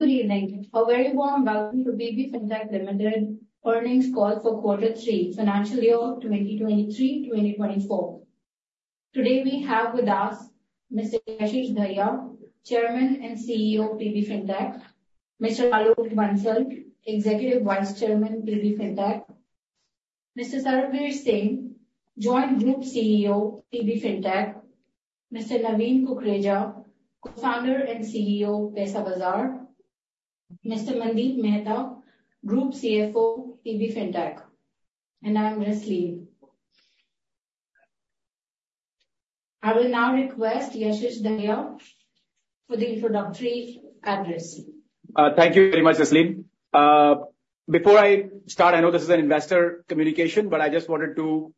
Good evening, a very warm welcome to PB Fintech Limited earnings call for Quarter Three, Financial Year 2023, 2024. Today, we have with us Mr. Yashish Dahiya, Chairman and CEO of PB Fintech, Mr. Alok Bansal, Executive Vice Chairman, PB Fintech, Mr. Sarbvir Singh, Joint Group CEO, PB Fintech, Mr. Naveen Kukreja, Co-founder and CEO, Paisabazaar, Mr. Mandeep Mehta, Group CFO, PB Fintech, and I'm Rasleen. I will now request Yashish Dahiya for the introductory address. Thank you very much, Rasleen. Before I start, I know this is an investor communication, but I just wanted to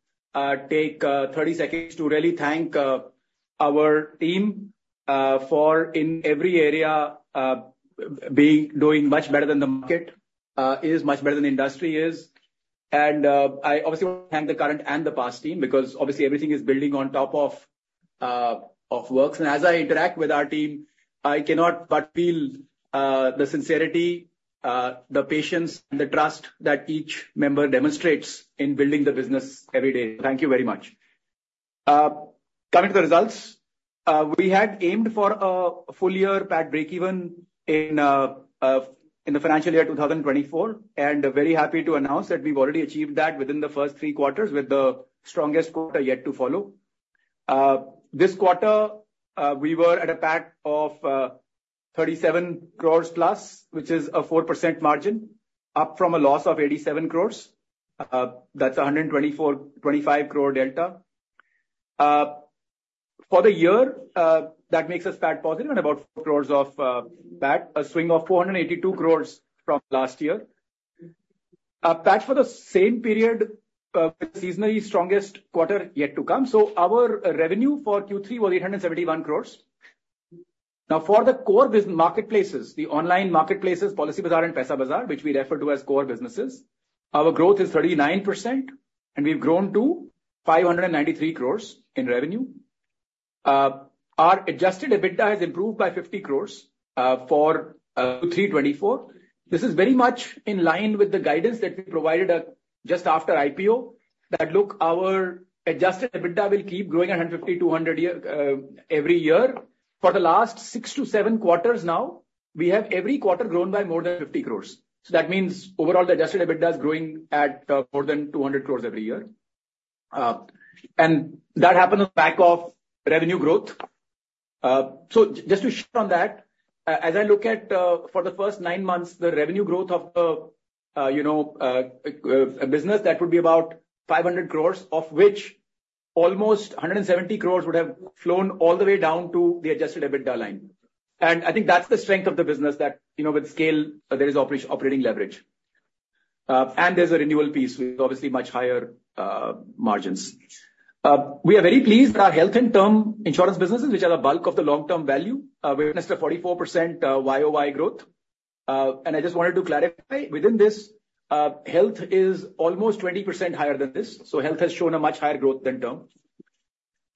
take 30 seconds to really thank our team for in every area doing much better than the market is, much better than the industry is. I obviously want to thank the current and the past team, because obviously everything is building on top of of works. As I interact with our team, I cannot but feel the sincerity, the patience and the trust that each member demonstrates in building the business every day. Thank you very much. Coming to the results, we had aimed for a full year PAT breakeven in the financial year 2024, and very happy to announce that we've already achieved that within the first three quarters, with the strongest quarter yet to follow. This quarter, we were at a PAT of 37 crores+, which is a 4% margin, up from a loss of 87 crores. That's a 124-125 crore delta. For the year, that makes us PAT positive and about 4 crores of PAT, a swing of 482 crores from last year. PAT for the same period with seasonally strongest quarter yet to come. So our revenue for Q3 was 871 crores. Now, for the core business marketplaces, the online marketplaces, Policybazaar and Paisabazaar, which we refer to as core businesses, our growth is 39%, and we've grown to 593 crores in revenue. Our adjusted EBITDA has improved by 50 crores for 2024. This is very much in line with the guidance that we provided just after IPO, that look, our adjusted EBITDA will keep growing at 150- 200 per year every year. For the last six to seven quarters now, we have every quarter grown by more than 50 crores. So that means overall, the adjusted EBITDA is growing at more than 200 crores every year and that happened on the back of revenue growth. So just to shift on that, as I look at, for the first nine months, the revenue growth of, you know, a business that would be about 500 crore, of which almost 170 crore would have flown all the way down to the adjusted EBITDA line. I think that's the strength of the business that, you know, with scale, there is operating leverage and there's a renewal piece with obviously much higher margins. We are very pleased that our health and term insurance businesses, which are the bulk of the long-term value, we've witnessed a 44% YOY growth. I just wanted to clarify, within this, health is almost 20% higher than this, so health has shown a much higher growth than term.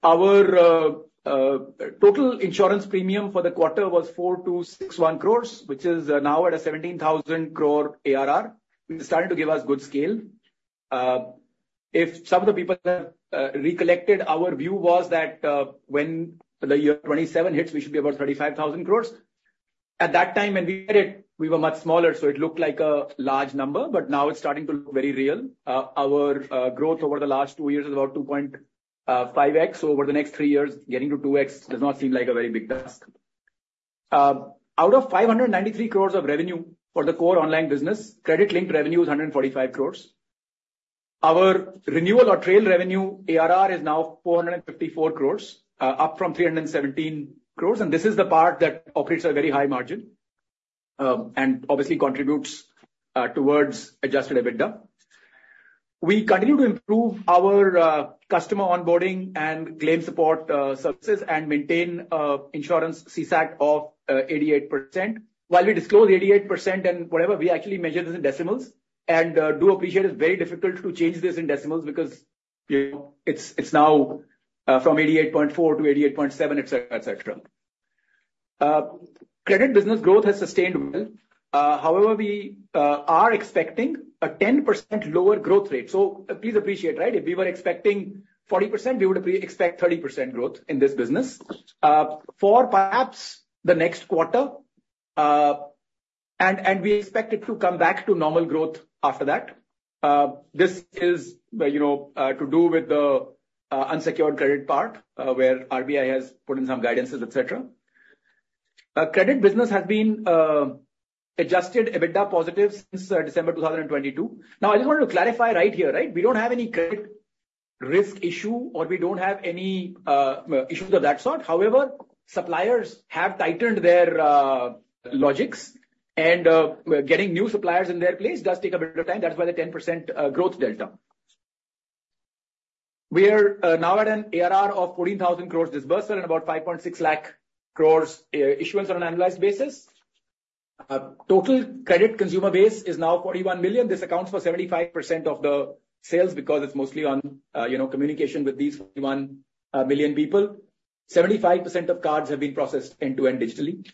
Our total insurance premium for the quarter was 4,261 crore, which is now at a 17,000 crore ARR. It's starting to give us good scale. If some of the people have recollected, our view was that, when the year 2027 hits, we should be about 35,000 crore. At that time, when we did it, we were much smaller, so it looked like a large number, but now it's starting to look very real. Our growth over the last two years is about 2.5x. Over the next three years, getting to 2x does not seem like a very big task. Out of 593 crore of revenue for the core online business, credit-linked revenue is 145 crore. Our renewal or trail revenue ARR is now 454 crore, up from 317 crore, and this is the part that operates at a very high margin, and obviously contributes towards adjusted EBITDA. We continue to improve our customer onboarding and claim support services and maintain insurance CSAT of 88%. While we disclose 88% and whatever, we actually measure this in decimals, and do appreciate it's very difficult to change this in decimals because, you know, it's now from 88.4%-88.7%, et cetera, et cetera. Credit business growth has sustained well, however, we are expecting a 10% lower growth rate. So please appreciate, right? If we were expecting 40%, we would expect 30% growth in this business for perhaps the next quarter. We expect it to come back to normal growth after that. This is, you know, to do with the unsecured credit part, where RBI has put in some guidances, et cetera. Credit business has been Adjusted EBITDA positive since December 2022. Now, I just wanted to clarify right here, right? We don't have any credit risk issue, or we don't have any issues of that sort. However, suppliers have tightened their logics, and getting new suppliers in their place does take a bit of time. That's why the 10% growth delta. We are now at an ARR of 14,000 crore disbursement and about 560,000 crore issuance on an annualized basis. Total credit consumer base is now 41 million. This accounts for 75% of the sales, because it's mostly on, you know, communication with these 41 million people... 75% of cards have been processed end-to-end digitally.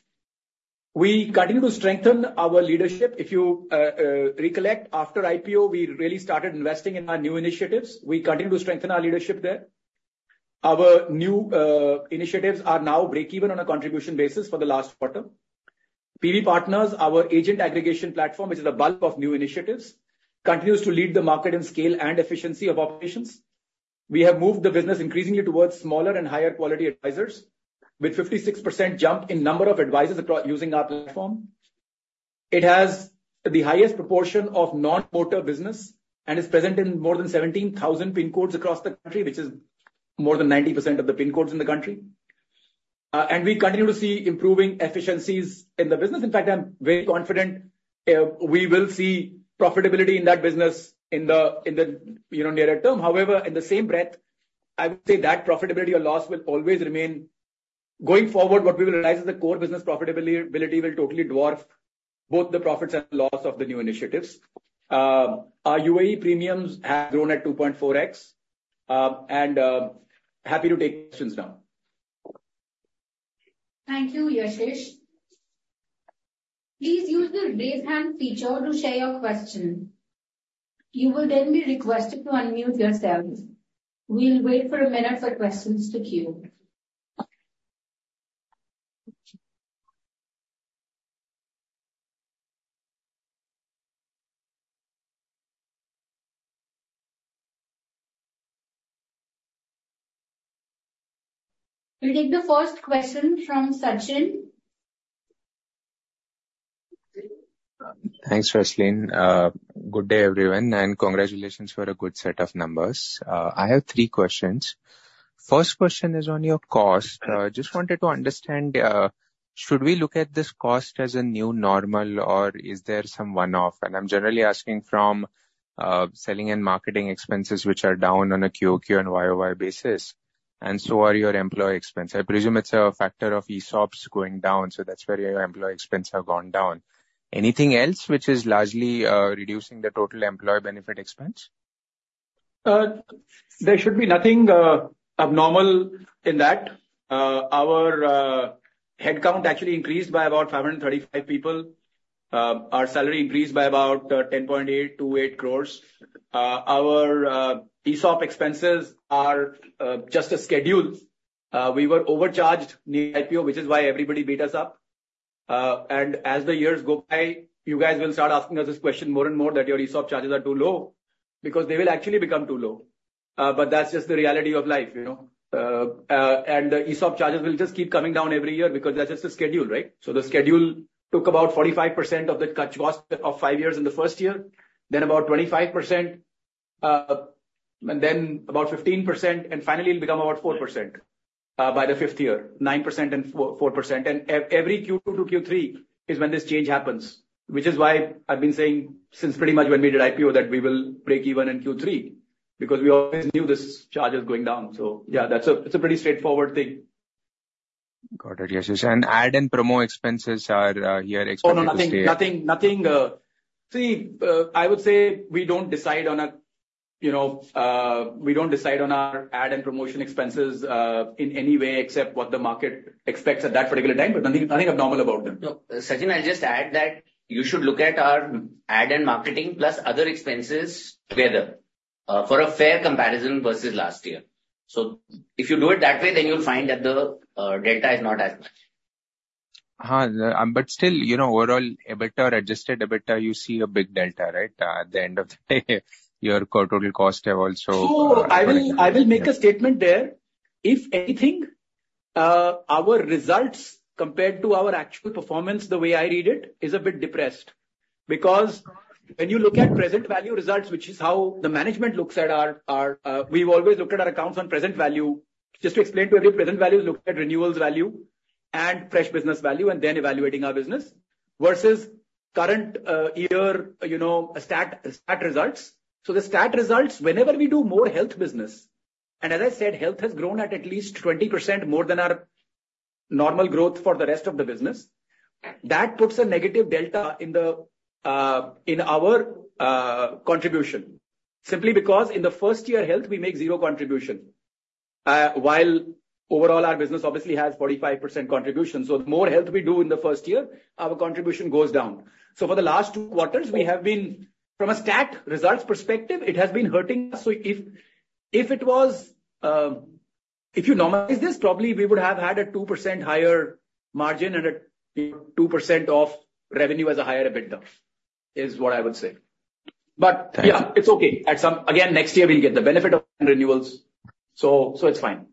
We continue to strengthen our leadership. If you recollect, after IPO, we really started investing in our new initiatives. We continue to strengthen our leadership there. Our new initiatives are now breakeven on a contribution basis for the last quarter. PBPartners, our agent aggregation platform, which is the bulk of new initiatives, continues to lead the market in scale and efficiency of operations. We have moved the business increasingly towards smaller and higher quality advisors, with 56% jump in number of advisors across using our platform. It has the highest proportion of non-motor business and is present in more than 17,000 PIN codes across the country, which is more than 90% of the PIN codes in the country. We continue to see improving efficiencies in the business. In fact, I'm very confident we will see profitability in that business in the you know, nearer term. However, in the same breath, I would say that profitability or loss will always remain. Going forward, what we will realize is the core business profitability ability will totally dwarf both the profits and loss of the new initiatives. Our UAE premiums have grown at 2.4x. Happy to take questions now. Thank you, Yashish. Please use the raise hand feature to share your question. You will then be requested to unmute yourselves. We'll wait for a minute for questions to queue. We'll take the first question from Sachin. Thanks, Yashish. Good day, everyone, and congratulations for a good set of numbers. I have three questions. First question is on your cost. Just wanted to understand, should we look at this cost as a new normal, or is there some one-off? I'm generally asking from, selling and marketing expenses, which are down on a QOQ and YOY basis, and so are your employee expenses. I presume it's a factor of ESOPs going down, so that's where your employee expenses have gone down. Anything else which is largely, reducing the total employee benefit expense? There should be nothing abnormal in that. Our headcount actually increased by about 535 people. Our salary increased by about 10.828 crore. Our ESOP expenses are just as scheduled. We were overcharged near IPO, which is why everybody beat us up. As the years go by, you guys will start asking us this question more and more, that your ESOP charges are too low, because they will actually become too low. But that's just the reality of life, you know? The ESOP charges will just keep coming down every year because that's just the schedule, right? So the schedule took about 45% of the CAC cost of five years in the first year, then about 25%, and then about 15%, and finally it'll become about 4%, by the fifth year. 9% and 4%. Every Q2-Q3 is when this change happens, which is why I've been saying since pretty much when we did IPO, that we will break even in Q3, because we always knew this charge is going down. So yeah, that's it's a pretty straightforward thing. Got it, Yashish. Ad and promo expenses are here expected to stay- Oh, no, nothing, nothing. See, I would say, you know, we don't decide on our ad and promotion expenses in any way except what the market expects at that particular time, but nothing, nothing abnormal about them. No, Sachin, I'll just add that you should look at our ad and marketing plus other expenses together, for a fair comparison versus last year. So if you do it that way, then you'll find that the delta is not as much. But still, you know, overall, EBITDA or adjusted EBITDA, you see a big delta, right? At the end of the day, your total costs have also- So I will, I will make a statement there. If anything, our results, compared to our actual performance, the way I read it, is a bit depressed, because when you look at present value results, which is how the management looks at our. We've always looked at our accounts on present value. Just to explain to everyone, present value looks at renewals value and fresh business value, and then evaluating our business, versus current year, you know, stat results. So the stat results, whenever we do more health business, and as I said, health has grown at least 20% more than our normal growth for the rest of the business. That puts a negative delta in our contribution. Simply because in the first year health, we make zero contribution, while overall our business obviously has 45% contribution. So the more health we do in the first year, our contribution goes down. So for the last two quarters, we have been. From a stat results perspective, it has been hurting us. So if, if it was, if you normalize this, probably we would have had a 2% higher margin and a 2% of revenue as a higher EBITDA, is what I would say. Thank you. But, yeah, it's okay. Again, next year we'll get the benefit of renewals, so it's fine.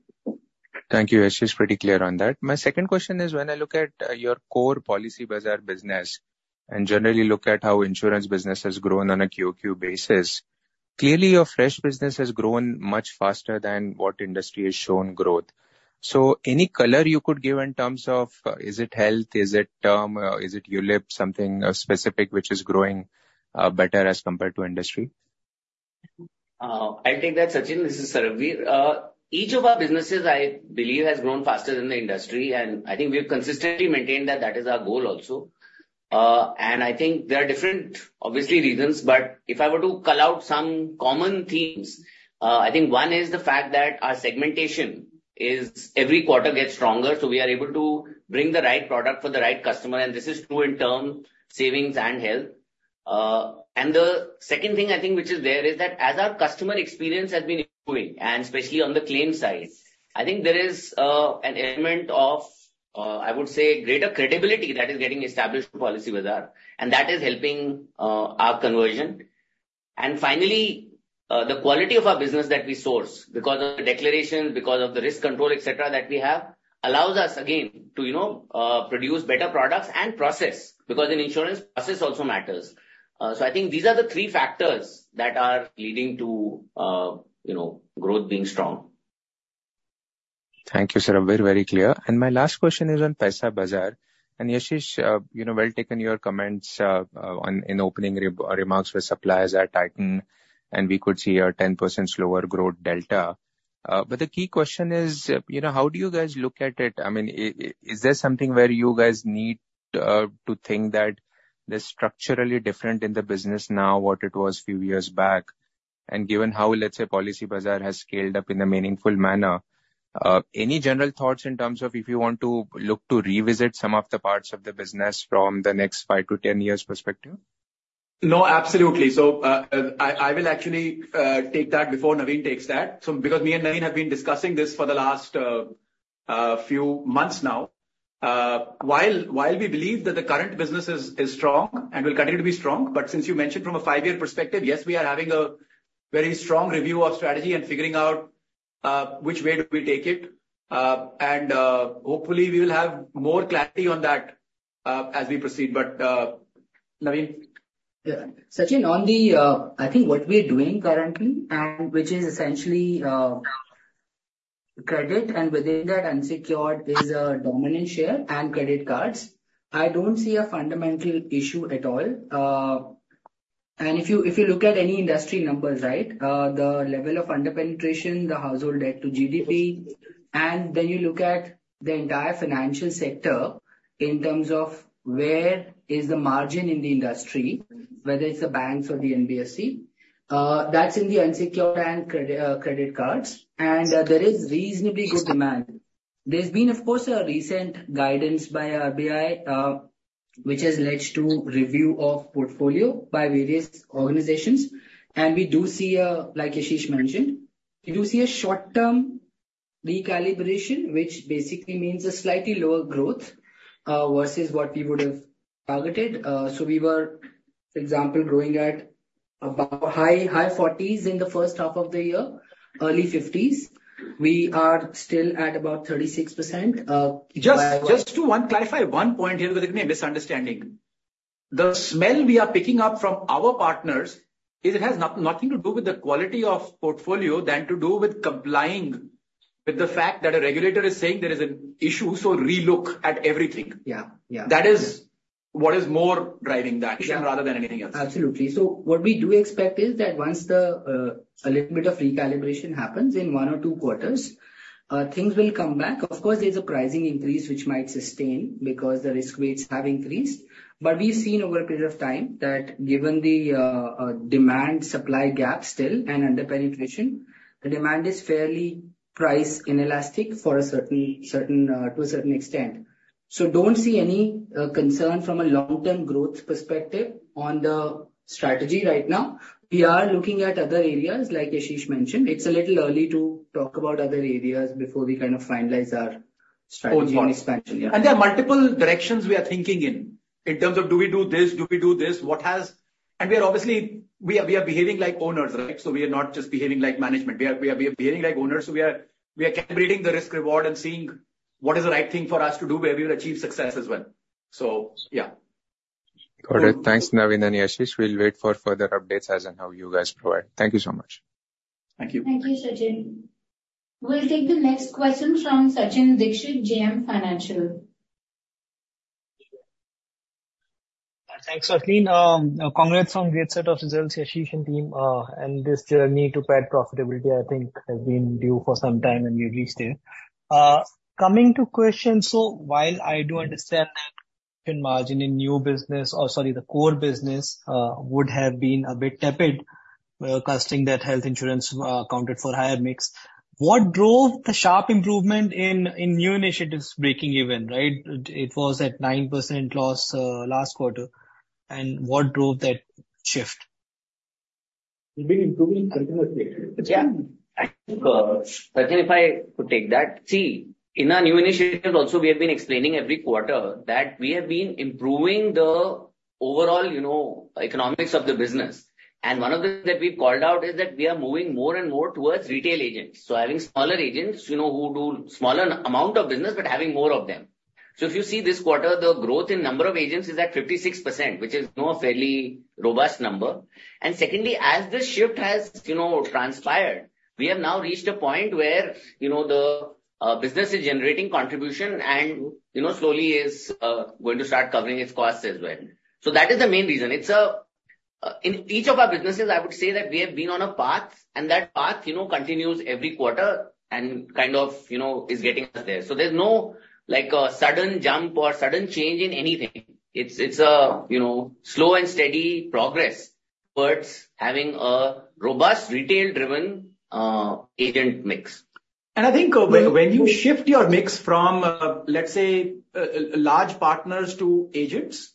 Thank you. It's just pretty clear on that. My second question is, when I look at your core Policybazaar business, and generally look at how insurance business has grown on a QOQ basis, clearly your fresh business has grown much faster than what industry has shown growth. So any color you could give in terms of, is it health? Is it, is it ULIP, something specific which is growing better as compared to industry? I'll take that, Sachin. This is Sarbvir. Each of our businesses, I believe, has grown faster than the industry, and I think we've consistently maintained that that is our goal also. I think there are different, obviously, reasons, but if I were to call out some common themes, I think one is the fact that our segmentation is every quarter gets stronger, so we are able to bring the right product for the right customer, and this is true in term savings and health. The second thing I think, which is there, is that as our customer experience has been improving, and especially on the claim side, I think there is an element of, I would say greater credibility that is getting established Policybazaar, and that is helping our conversion. Finally, the quality of our business that we source because of the declaration, because of the risk control, et cetera, that we have, allows us again to, you know, produce better products and process, because in insurance, process also matters. So I think these are the three factors that are leading to, you know, growth being strong. Thank you, Sarbvir. Very, very clear. My last question is on Paisabazaar. Yashish, you know, well taken, your comments on, in opening remarks with suppliers are tighten, and we could see a 10% slower growth delta. But the key question is, you know, how do you guys look at it? I mean, is there something where you guys need to think that they're structurally different in the business now, what it was few years back? Given how, let's say, Policybazaar has scaled up in a meaningful manner, any general thoughts in terms of if you want to look to revisit some of the parts of the business from the next 5-10 years perspective? No, absolutely. So, I will actually take that before Naveen takes that. So because me and Naveen have been discussing this for the last few months now. While we believe that the current business is strong and will continue to be strong, but since you mentioned from a five-year perspective, yes, we are having a very strong review of strategy and figuring out which way do we take it and hopefully, we will have more clarity on that as we proceed. But, Naveen? Yeah. Sachin, on the, I think what we are doing currently, and which is essentially, credit, and within that, unsecured is a dominant share and credit cards, I don't see a fundamental issue at all. If you, if you look at any industry numbers, right, the level of under-penetration, the household debt to GDP, and then you look at the entire financial sector in terms of where is the margin in the industry, whether it's the banks or the NBFC, that's in the unsecured and credit cards, and there is reasonably good demand. There's been, of course, a recent guidance by RBI, which has led to review of portfolio by various organizations, and we do see a, like Yashish mentioned, we do see a short-term recalibration, which basically means a slightly lower growth, versus what we would have targeted. So we were, for example, growing at about high 40s in the first half of the year, early 50s. We are still at about 36%, by- Just to clarify one point here, because it may be a misunderstanding. The smell we are picking up from our partners is it has nothing to do with the quality of portfolio than to do with complying with the fact that a regulator is saying there is an issue, so relook at everything. Yeah. Yeah. That is what is more driving the action- Yeah. rather than anything else. Absolutely. So what we do expect is that once the a little bit of recalibration happens in one or two quarters, things will come back. Of course, there's a pricing increase which might sustain because the risk weights have increased. But we've seen over a period of time that given the demand/supply gap still and under-penetration, the demand is fairly price inelastic to a certain extent. So don't see any concern from a long-term growth perspective on the strategy right now. We are looking at other areas, like Yashish mentioned. It's a little early to talk about other areas before we kind of finalize our strategy on expansion. Yeah. There are multiple directions we are thinking in, in terms of do we do this, do we do this? What has... We are obviously, we are, we are behaving like owners, right? So we are not just behaving like management. We are, we are behaving like owners, so we are, we are calibrating the risk/reward and seeing what is the right thing for us to do, where we will achieve success as well. So, yeah. Got it. Thanks, Naveen and Yashish. We'll wait for further updates as and how you guys provide. Thank you so much. Thank you. Thank you, Sachin. We'll take the next question from Sachin Dixit, JM Financial. Thanks, Yashish. Congrats on great set of results, Yashish and team, and this journey to path profitability, I think, has been due for some time, and you reached there. Coming to question, so while I do understand that margin in new business, or sorry, the core business, would have been a bit tepid, casting that health insurance accounted for higher mix. What drove the sharp improvement in, in new initiatives breaking even, right? It, it was at 9% loss, last quarter, and what drove that shift? We've been improving continuously. Yeah, I think, Sachin, if I could take that. See, in our new initiative also, we have been explaining every quarter that we have been improving the overall, you know, economics of the business and one of the things that we've called out is that we are moving more and more towards retail agents. So having smaller agents, you know, who do smaller amount of business, but having more of them. So if you see this quarter, the growth in number of agents is at 56%, which is, you know, a fairly robust number. Secondly, as this shift has, you know, transpired, we have now reached a point where, you know, the business is generating contribution and, you know, slowly is going to start covering its costs as well. So that is the main reason. It's a in each of our businesses. I would say that we have been on a path, and that path, you know, continues every quarter and kind of, you know, is getting us there. So there's no, like, a sudden jump or sudden change in anything. It's a, you know, slow and steady progress towards having a robust retail-driven agent mix. I think when you shift your mix from, let's say, large partners to agents,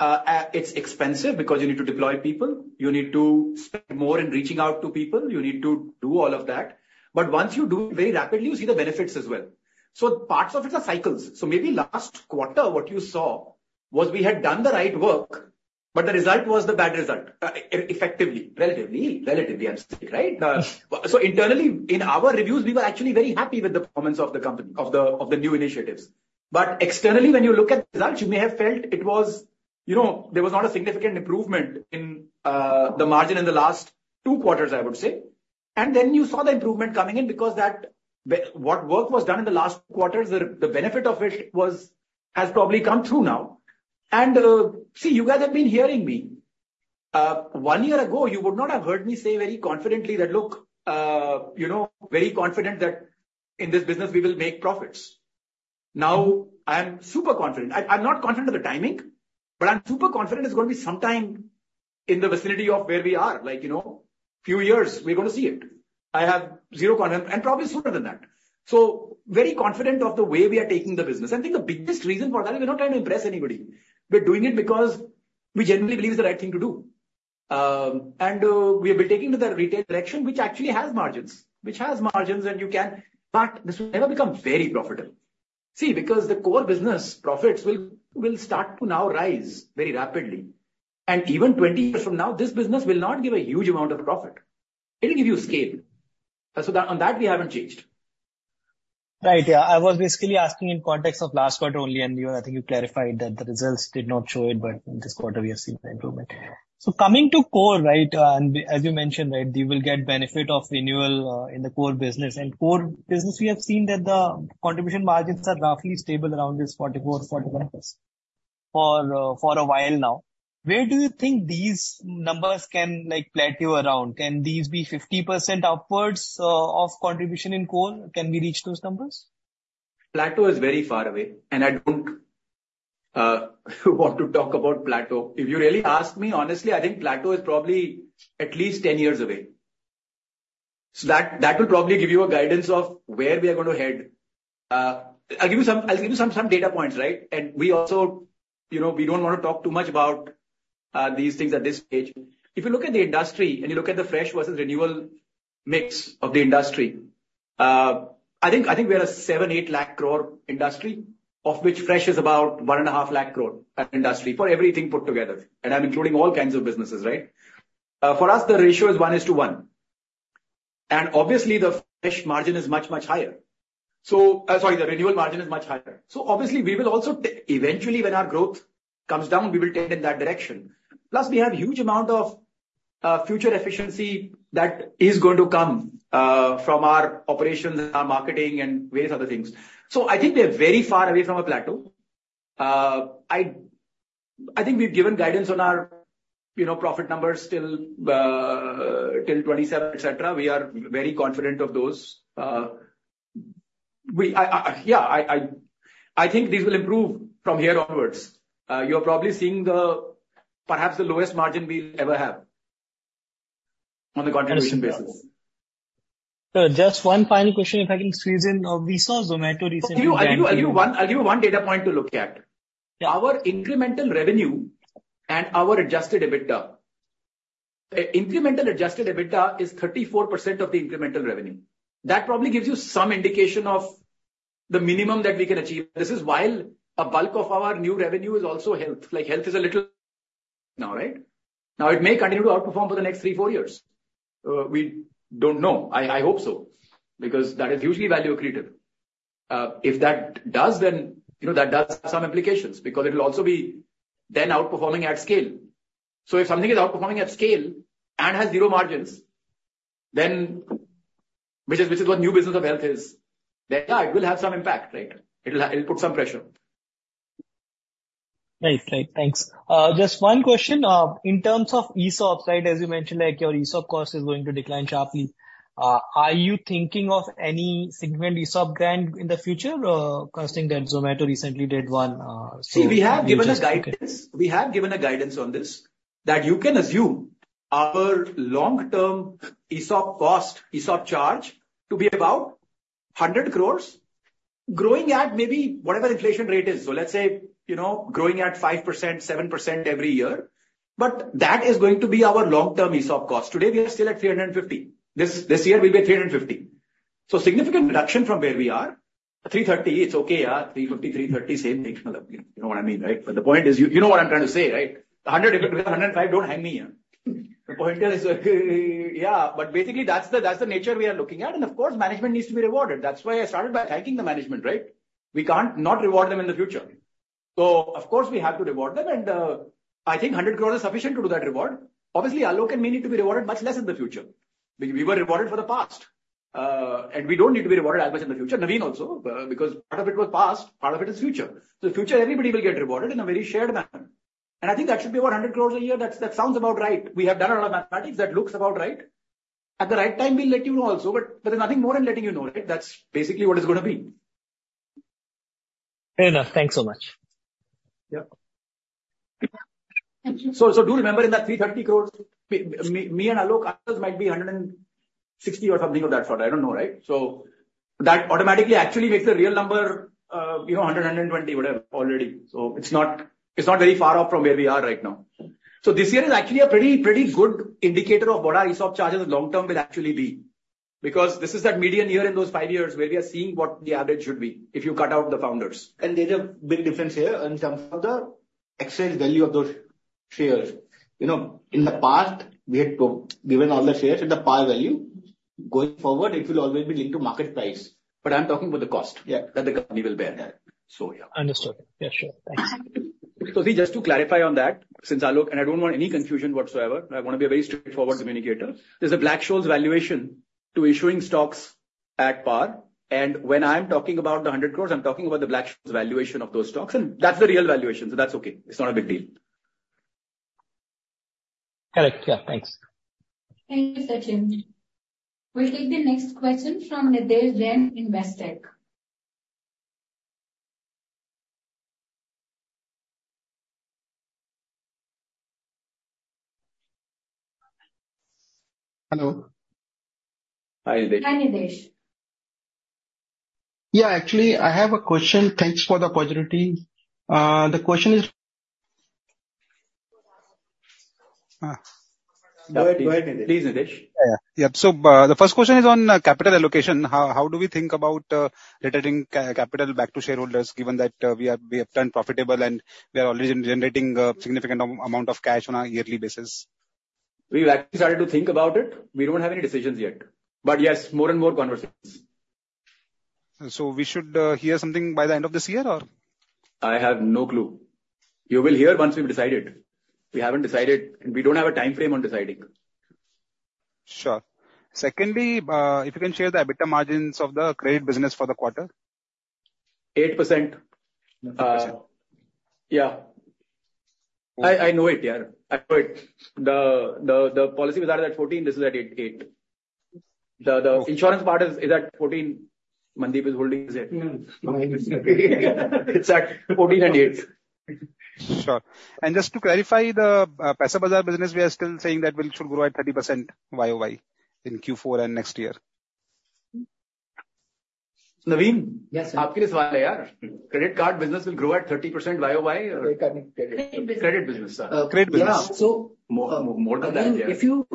it's expensive because you need to deploy people, you need to spend more in reaching out to people. You need to do all of that. But once you do it very rapidly, you see the benefits as well. So parts of it are cycles. So maybe last quarter, what you saw was we had done the right work, but the result was the bad result. Effectively, relatively, I'm saying, right? So internally, in our reviews, we were actually very happy with the performance of the company, of the new initiatives. But externally, when you look at the results, you may have felt it was, you know, there was not a significant improvement in the margin in the last two quarters, I would say. Then you saw the improvement coming in because that, what work was done in the last quarters, the benefit of it was, has probably come through now. See, you guys have been hearing me. One year ago, you would not have heard me say very confidently that, "Look, you know, very confident that in this business we will make profits." Now, I am super confident. I'm not confident of the timing, but I'm super confident it's gonna be sometime in the vicinity of where we are, like, you know, few years, we're gonna see it. I have zero confidence... And probably sooner than that. So very confident of the way we are taking the business. I think the biggest reason for that, we're not trying to impress anybody. We're doing it because we generally believe it's the right thing to do. We've been taking to the retail direction, which actually has margins, which has margins, and you can—but this will never become very profitable. See, because the core business profits will, will start to now rise very rapidly. Even 20 years from now, this business will not give a huge amount of profit. It'll give you scale. So on that, we haven't changed. Right. Yeah. I was basically asking in context of last quarter only, and you, I think you clarified that the results did not show it, but in this quarter we have seen the improvement. So coming to core, right, and, as you mentioned, right, you will get benefit of renewal in the core business and core business, we have seen that the contribution margins are roughly stable around this 44%, 41% for a while now. Where do you think these numbers can, like, plateau around? Can these be 50% upwards of contribution in core? Can we reach those numbers? Plateau is very far away, and I don't want to talk about plateau. If you really ask me, honestly, I think plateau is probably at least 10 years away. So that will probably give you a guidance of where we are going to head. I'll give you some data points, right? We also, you know, we don't want to talk too much about these things at this stage. If you look at the industry, and you look at the fresh versus renewal mix of the industry, I think we are a 700,000 crore-800,000 crore industry, of which fresh is about 150,000 crore industry, for everything put together, and I'm including all kinds of businesses, right? For us, the ratio is one is to one, and obviously the fresh margin is much, much higher. So, sorry, the renewal margin is much higher. So obviously we will also eventually, when our growth comes down, we will tend in that direction. Plus, we have huge amount of future efficiency that is going to come from our operations and our marketing and various other things. So I think we are very far away from a plateau. I think we've given guidance on our, you know, profit numbers till 27, et cetera. We are very confident of those. We... yeah, I think these will improve from here onwards. You're probably seeing the, perhaps the lowest margin we'll ever have on a contribution basis. Sir, just one final question, if I can squeeze in. We saw Zomato recently- I'll give you one data point to look at. Yeah. Our incremental revenue and our Adjusted EBITDA. Incremental Adjusted EBITDA is 34% of the incremental revenue. That probably gives you some indication of the minimum that we can achieve. This is while a bulk of our new revenue is also health. Like, health is a little now, right? Now, it may continue to outperform for the next three, four years. We don't know. I hope so, because that is hugely value accretive. If that does, then, you know, that does have some implications because it'll also be then outperforming at scale. So if something is outperforming at scale and has zero margins, then, which is, which is what new business of health is, then, yeah, it will have some impact, right? It'll, it'll put some pressure. Right. Right. Thanks. Just one question, in terms of ESOPs, right? As you mentioned, like, your ESOP cost is going to decline sharply. Are you thinking of any significant ESOP grant in the future, considering that Zomato recently did one, so- See, we have given a guidance. Okay. We have given a guidance on this, that you can assume our long-term ESOP cost, ESOP charge, to be about 100 crore, growing at maybe whatever the inflation rate is. So let's say, you know, growing at 5%-7% every year, but that is going to be our long-term ESOP cost. Today, we are still at 350 crore. This year we'll be at 350 crore. So significant reduction from where we are. 330 crore, it's okay, yeah. 350 crore, 330 crore, same thing. You know what I mean, right? But the point is, you know what I'm trying to say, right? 100 crore, 105 crore, don't hang me here. The point is, yeah, but basically that's the, that's the nature we are looking at, and of course management needs to be rewarded. That's why I started by thanking the management, right? We can't not reward them in the future. So of course we have to reward them, and, I think 100 crore is sufficient to do that reward. Obviously, Alok and me need to be rewarded much less in the future. We, we were rewarded for the past, and we don't need to be rewarded as much in the future. Naveen also, because part of it was past, part of it is future. So the future, everybody will get rewarded in a very shared manner. I think that should be about 100 crores a year. That's, that sounds about right. We have done a lot of mathematics that looks about right. At the right time, we'll let you know also, but there is nothing wrong in letting you know, right? That's basically what it's gonna be. Fair enough. Thanks so much. Yeah. Thank you. So, do you remember in that 330 crore, me, me, me and Alok, ours might be 160 crore or something of that sort. I don't know, right? So that automatically actually makes the real number, you know, 120 crore, whatever, already. So it's not, it's not very far off from where we are right now. So this year is actually a pretty, pretty good indicator of what our ESOP charges in the long term will actually be because this is that median year in those five years where we are seeing what the average should be, if you cut out the founders. There's a big difference here in terms of the exchange value of those shares. You know, in the past, we had given all the shares at the par value. Going forward, it will always be linked to market price. But I'm talking about the cost. Yeah. that the company will bear there. So, yeah. Understood. Yeah, sure. Thanks. Sorry, just to clarify on that, since Alok... And I don't want any confusion whatsoever. I want to be a very straightforward communicator. There's a Black-Scholes valuation to issuing stocks at par, and when I'm talking about 100 crore, I'm talking about the Black-Scholes valuation of those stocks, and that's the real valuation, so that's okay. It's not a big deal. Got it. Yeah, thanks. Thank you, Sachin. We'll take the next question from Nidhesh Jain, Investec. Hello. Hi, Nidhesh. Hi, Nidhesh. Yeah. Actually, I have a question. Thanks for the opportunity. The question is, Go ahead. Go ahead, Nidhesh. Please, Nidhesh. Yeah. Yep. So, the first question is on capital allocation. How do we think about returning capital back to shareholders, given that we have turned profitable and we are already generating a significant amount of cash on a yearly basis? We've actually started to think about it. We don't have any decisions yet. But yes, more and more conversations. We should hear something by the end of this year, or? I have no clue. You will hear once we've decided. We haven't decided, and we don't have a timeframe on deciding. Sure. Secondly, if you can share the EBITDA margins of the credit business for the quarter. 8%. 8%. Yeah, I know it. Yeah, I know it. The policy was either at 14%, this is at 8%. The insurance part is at 14%. Mandeep is holding his head. It's at 14% and 8%. Sure. Just to clarify, the Paisabazaar business, we are still saying that will, should grow at 30% YOY in Q4 and next year? Naveen? Yes, sir. Credit card business will grow at 30% YOY, credit business. Credit business. Credit business. Yeah, so- More than that, yeah. If you,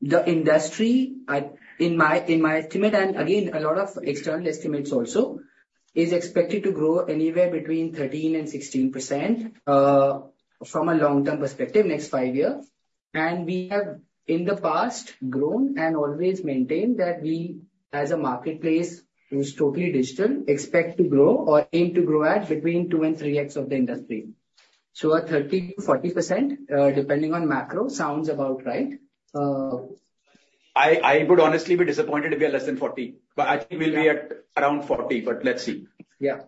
the industry, I, in my estimate, and again, a lot of external estimates also, is expected to grow anywhere between 13%-16%, from a long-term perspective, next five years, and we have, in the past, grown and always maintained that we, as a marketplace, who is totally digital, expect to grow or aim to grow at between 2x and 3x of the industry. So at 30%-40%, depending on macro, sounds about right. I would honestly be disappointed if we are less than 40%, but I think we'll be at around 40%, but let's see. Yeah.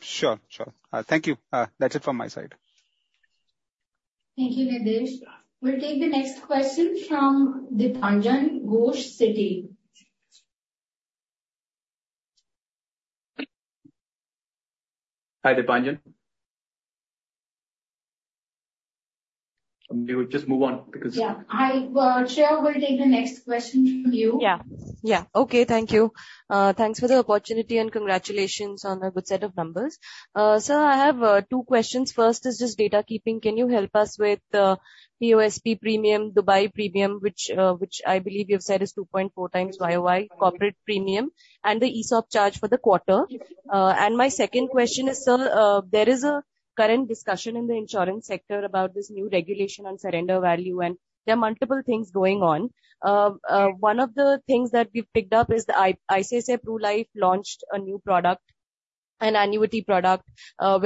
Sure. Sure. Thank you. That's it from my side. Thank you, Nidhesh. We'll take the next question from Dipanjan Ghosh, Citi. Hi, Dipanjan. We'll just move on because- Yeah, I, Chair, we'll take the next question from you. Yeah. Yeah. Okay, thank you. Thanks for the opportunity and congratulations on a good set of numbers. Sir, I have two questions. First is just data keeping. Can you help us with POSP premium, Dubai premium, which I believe you've said is 2.4x YOY, corporate premium, and the ESOP charge for the quarter? My second question is, sir, there is a current discussion in the insurance sector about this new regulation on surrender value, and there are multiple things going on. One of the things that we've picked up is the ICICI Pru Life launched a new product, an annuity product,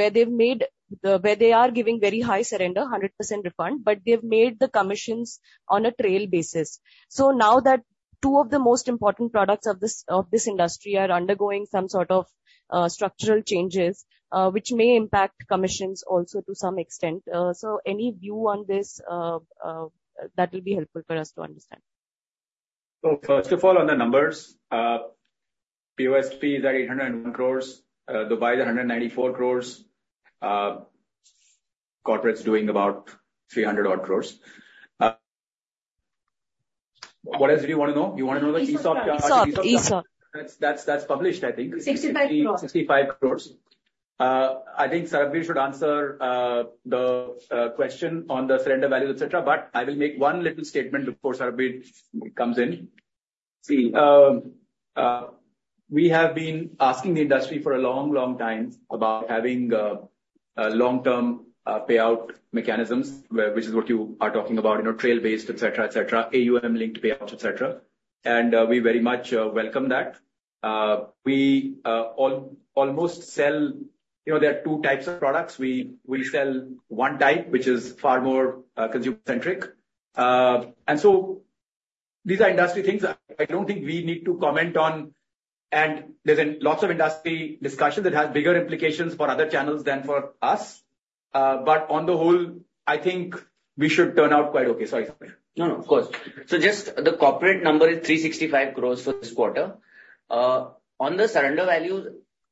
where they are giving very high surrender, 100% refund, but they've made the commissions on a trail basis. So now that two of the most important products of this industry are undergoing some sort of structural changes, which may impact commissions also to some extent. So any view on this that will be helpful for us to understand? So first of all, on the numbers, POSP is at 800 crore, Dubai is 194 crore, corporate's doing about 300 odd crore. What else did you want to know? You want to know the ESOP charge? ESOP. ESOP. That's published, I think. 65 crore. INR 65 crore. I think Sarbvir should answer the question on the surrender value, et cetera, but I will make one little statement before Sarbvir comes in. See, we have been asking the industry for a long, long time about having a long-term payout mechanisms, which is what you are talking about, you know, trail-based, et cetera, et cetera, AUM-linked payouts, et cetera, and we very much welcome that. We almost sell... You know, there are two types of products. We sell one type, which is far more consumer-centric. So these are industry things I don't think we need to comment on, and there's a lot of industry discussions that have bigger implications for other channels than for us... but on the whole, I think we should turn out quite okay. Sorry. No, no, of course. So just the corporate number is 365 crore for this quarter. On the surrender values,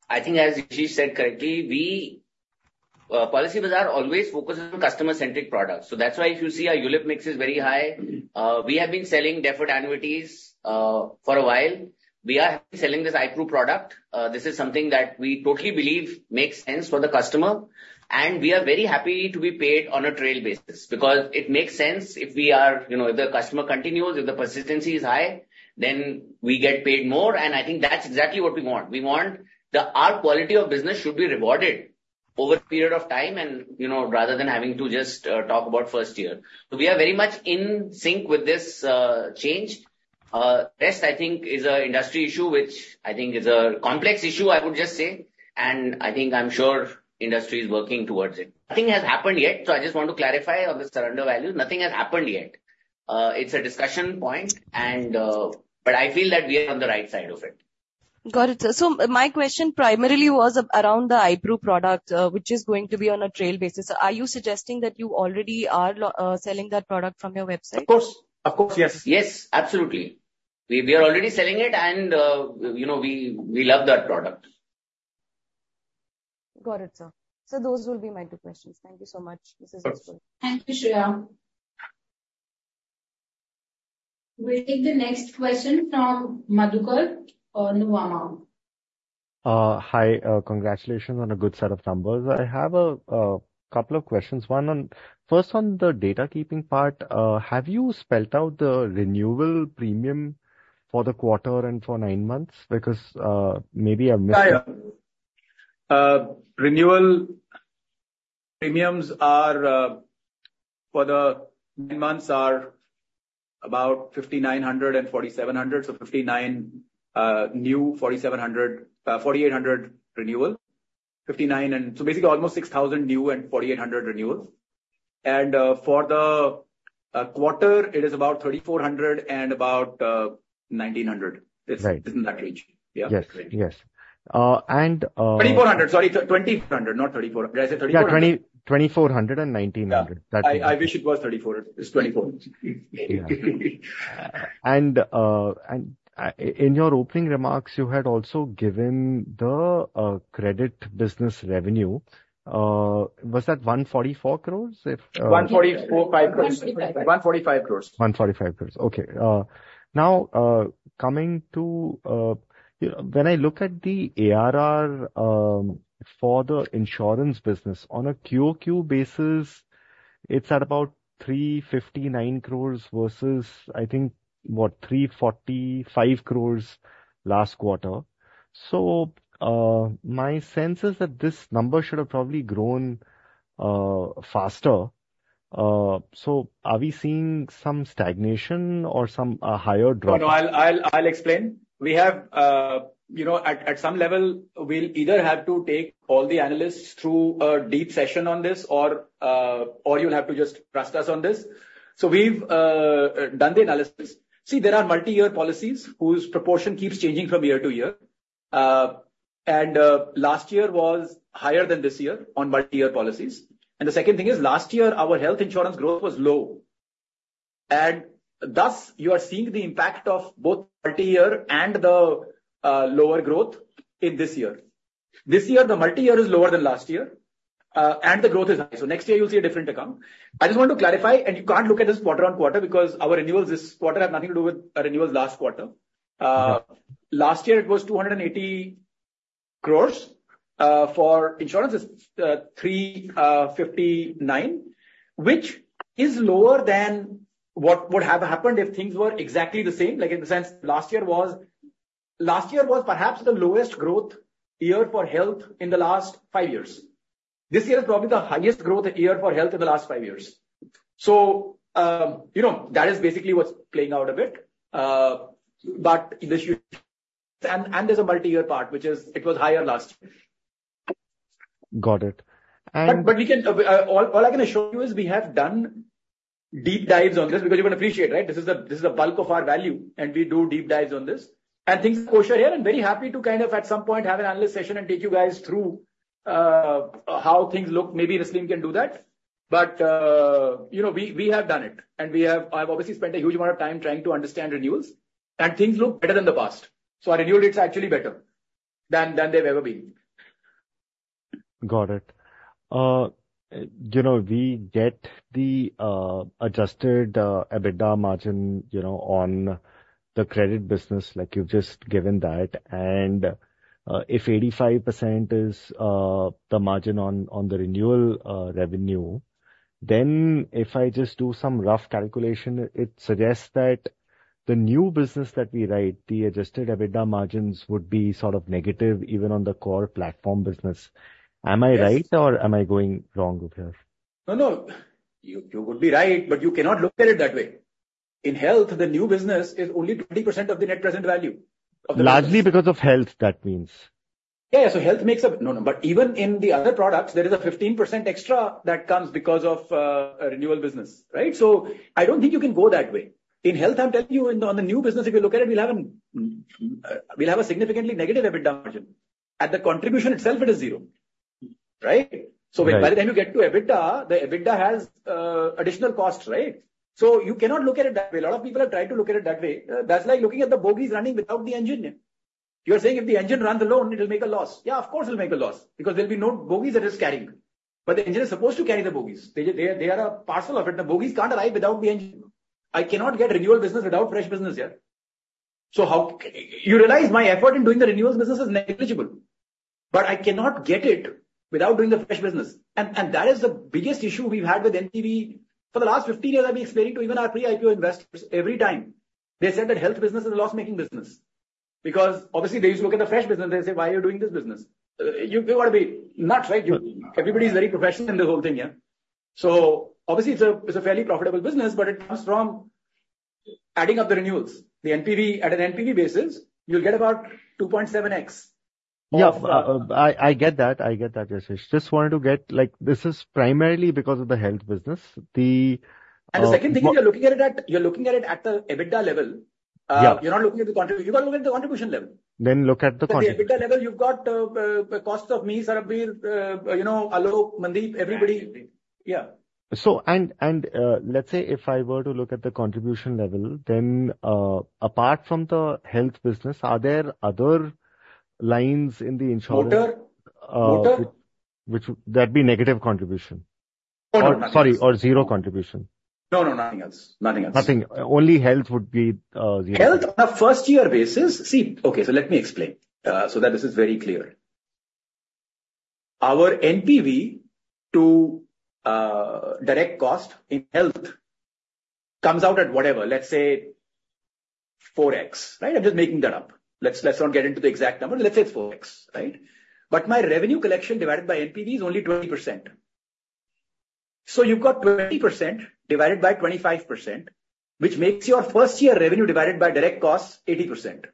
I think as Yashish said correctly, we, Policybazaar always focuses on customer-centric products. So that's why if you see our ULIP mix is very high. We have been selling deferred annuities for a while. We are selling this GIFT Pro product. This is something that we totally believe makes sense for the customer, and we are very happy to be paid on a trail basis, because it makes sense if we are, you know, if the customer continues, if the persistency is high, then we get paid more, and I think that's exactly what we want. We want our quality of business should be rewarded over a period of time and, you know, rather than having to just talk about first year. So we are very much in sync with this change. The rest, I think, is an industry issue, which I think is a complex issue, I would just say, and I think I'm sure the industry is working towards it. Nothing has happened yet, so I just want to clarify on the surrender value, nothing has happened yet. It's a discussion point, and, but I feel that we are on the right side of it. Got it, sir. So my question primarily was around the ICICI Pru product, which is going to be on a trail basis. Are you suggesting that you already are selling that product from your website? Of course, of course, yes. Yes, absolutely. We, we are already selling it and, you know, we, we love that product. Got it, sir. Those will be my two questions. Thank you so much. This is useful. Thank you. We'll take the next question from Madhukar from Nuvama. Hi, congratulations on a good set of numbers. I have a couple of questions. First, on the data keeping part, have you spelled out the renewal premium for the quarter and for nine months because, maybe I've missed it? Renewal premiums for the nine months are about 5,900 and 4,700. So 5,900 new, 4,700, 4,800 renewal. 5,900 and... so basically almost 6,000 new and 4,800 renewals. For the quarter, it is about 3,400 and about 1,900. Right. It's in that range. Yeah. Yes, yes. 2,400, sorry, 2,000, not 34. Did I say 3,400? Yeah, INR 2,400 and INR 1,900. Yeah. That's it. I wish it was INR 3,400, it's INR 2,400. Yeah. In your opening remarks, you had also given the credit business revenue. Was that 144 crore? If 144.5 crore. 144.5 crore. 145 crore. 145 crore. Okay. Now, coming to, you know, when I look at the ARR, for the insurance business on a QOQ basis, it's at about 359 crore versus, I think, what, 345 crore last quarter. So, my sense is that this number should have probably grown faster. So are we seeing some stagnation or some higher drop? No, no, I'll explain. We have... you know, at some level, we'll either have to take all the analysts through a deep session on this or or you'll have to just trust us on this. So we've done the analysis. See, there are multi-year policies whose proportion keeps changing from year to year. Last year was higher than this year on multi-year policies and the second thing is last year, our health insurance growth was low, and thus you are seeing the impact of both multi-year and the lower growth in this year. This year, the multi-year is lower than last year, and the growth is high. So next year you'll see a different outcome. I just want to clarify, and you can't look at this quarter-on-quarter, because our renewals this quarter have nothing to do with our renewals last quarter. Last year it was 280 crore, for insurance it's 359, which is lower than what would have happened if things were exactly the same, like, in the sense last year was, last year was perhaps the lowest growth year for health in the last five years. This year is probably the highest growth year for health in the last five years. So, you know, that is basically what's playing out a bit. But this year and, and there's a multi-year part, which is, it was higher last year. Got it. And- But we can... All I can assure you is we have done deep dives on this, because you're gonna appreciate, right? This is the bulk of our value, and we do deep dives on this. Things are kosher here. I'm very happy to kind of at some point have an analyst session and take you guys through how things look. Maybe Rasleen can do that. But you know, we have done it, and we have—I've obviously spent a huge amount of time trying to understand renewals, and things look better than the past. So our renewal rates are actually better than they've ever been. Got it. You know, we get the Adjusted EBITDA margin, you know, on the credit business, like you've just given that, and if 85% is the margin on the renewal revenue, then if I just do some rough calculation, it suggests that the new business that we write, the Adjusted EBITDA margins would be sort of negative even on the core platform business. Am I right or am I going wrong with this? No, no, you, you would be right, but you cannot look at it that way. In health, the new business is only 20% of the net present value of the- Largely because of health, that means. Yeah, yeah. So health makes up... No, no, but even in the other products, there is a 15% extra that comes because of renewal business, right? So I don't think you can go that way.... In health, I'm telling you, in the, on the new business, if you look at it, we'll have an, we'll have a significantly negative EBITDA margin. At the contribution itself, it is zero, right? Right. So by the time you get to EBITDA, the EBITDA has additional costs, right? So you cannot look at it that way. A lot of people have tried to look at it that way. That's like looking at the bogies running without the engine. You're saying if the engine runs alone, it'll make a loss. Yeah, of course it'll make a loss, because there'll be no bogies it is carrying. But the engine is supposed to carry the bogies. They are, they are a parcel of it. The bogies can't arrive without the engine. I cannot get renewal business without fresh business, yeah. So how-- You realize my effort in doing the renewals business is negligible, but I cannot get it without doing the fresh business, and that is the biggest issue we've had with NPV for the last 15 years. I've been explaining to even our pre-IPO investors every time. They said that health business is a loss-making business, because obviously they used to look at the fresh business and they say, "Why are you doing this business?" You, you've got to be nuts, right? Everybody is very professional in the whole thing, yeah. So obviously it's a, it's a fairly profitable business, but it comes from adding up the renewals. The NPV, at an NPV basis, you'll get about 2.7x. Yeah. I get that. I get that, Yashish. Just wanted to get, like, this is primarily because of the health business. The- The second thing is, you're looking at it at the EBITDA level. Yeah. You're not looking at the contribution. You've got to look at the contribution level. Look at the contribution. At the EBITDA level, you've got the costs of me, Sarbvir, you know, Alok, Mandeep, everybody. Yeah. Let's say if I were to look at the contribution level, then apart from the health business, are there other lines in the insurance- Motor? Motor? Which there'd be negative contribution? No, no, nothing. Sorry, or zero contribution. No, no, nothing else. Nothing else. Nothing. Only health would be, zero. Health, on a first-year basis... See, okay, so let me explain, so that this is very clear. Our NPV to direct cost in health comes out at whatever, let's say 4x, right? I'm just making that up. Let's, let's not get into the exact number. Let's say it's 4x, right? But my revenue collection divided by NPV is only 20%. So you've got 20% divided by 25%, which makes your first-year revenue divided by direct costs, 80%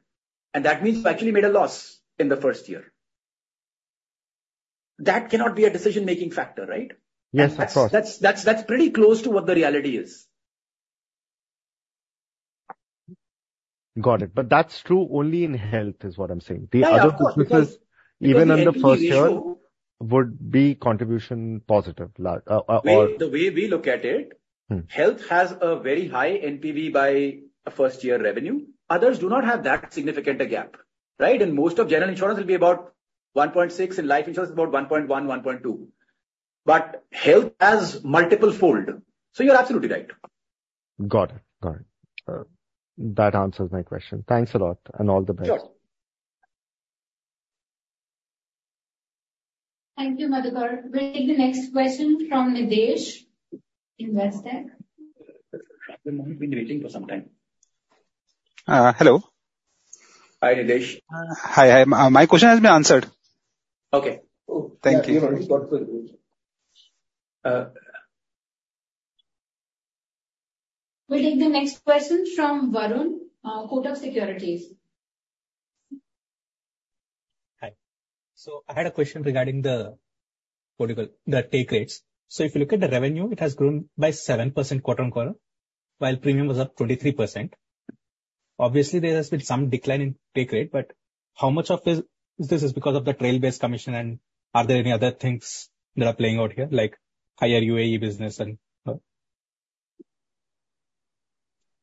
and that means we actually made a loss in the first year. That cannot be a decision-making factor, right? Yes, of course. That's pretty close to what the reality is. Got it. But that's true only in health, is what I'm saying. Yeah, of course. The other businesses, even in the first year, would be contribution positive, or- The way we look at it health has a very high NPV by a first year revenue. Others do not have that significant a gap, right? Most of general insurance will be about 1.6, and life insurance is about 1.1, 1.2. But health has multiple fold. So you're absolutely right. Got it. Got it. That answers my question. Thanks a lot, and all the best. Sure. Thank you, Madhukar. We'll take the next question from Nidhesh, Investec. He might have been waiting for some time. Uh, hello. Hi, Nidhesh. Hi, hi. My question has been answered. Okay. Thank you. We'll take the next question from Varun, Kotak Securities. Hi. So I had a question regarding the, what do you call, the take rates. So if you look at the revenue, it has grown by 7% quarter-on-quarter, while premium was up 23%. Obviously, there has been some decline in take rate, but how much of this, this is because of the trail-based commission, and are there any other things that are playing out here, like higher UAE business and?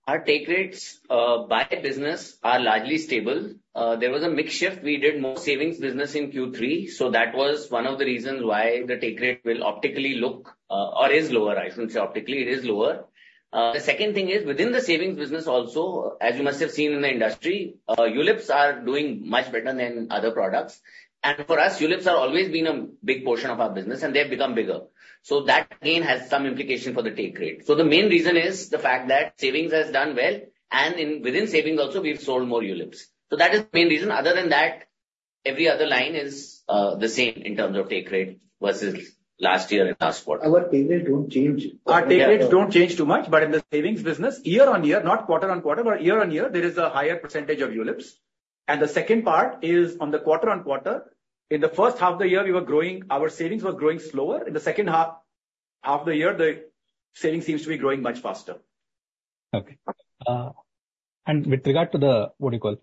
Our take rates by business are largely stable. There was a mix shift. We did more savings business in Q3, so that was one of the reasons why the take rate will optically look or is lower. I shouldn't say optically, it is lower. The second thing is, within the savings business also, as you must have seen in the industry, ULIPs are doing much better than other products. For us, ULIPs are always been a big portion of our business, and they have become bigger. So that again, has some implication for the take rate. So the main reason is the fact that savings has done well, and within savings also we've sold more ULIPs. So that is the main reason. Other than that, every other line is the same in terms of take rate versus last year and last quarter. Our take rate don't change. Our take rates don't change too much, but in the savings business, year-over-year, not quarter-over-quarter, but year-over-year, there is a higher percentage of ULIPs. The second part is on the quarter-over-quarter. In the first half of the year, we were growing, our savings were growing slower. In the second half, half of the year, the savings seems to be growing much faster. Okay. With regard to the, what do you call,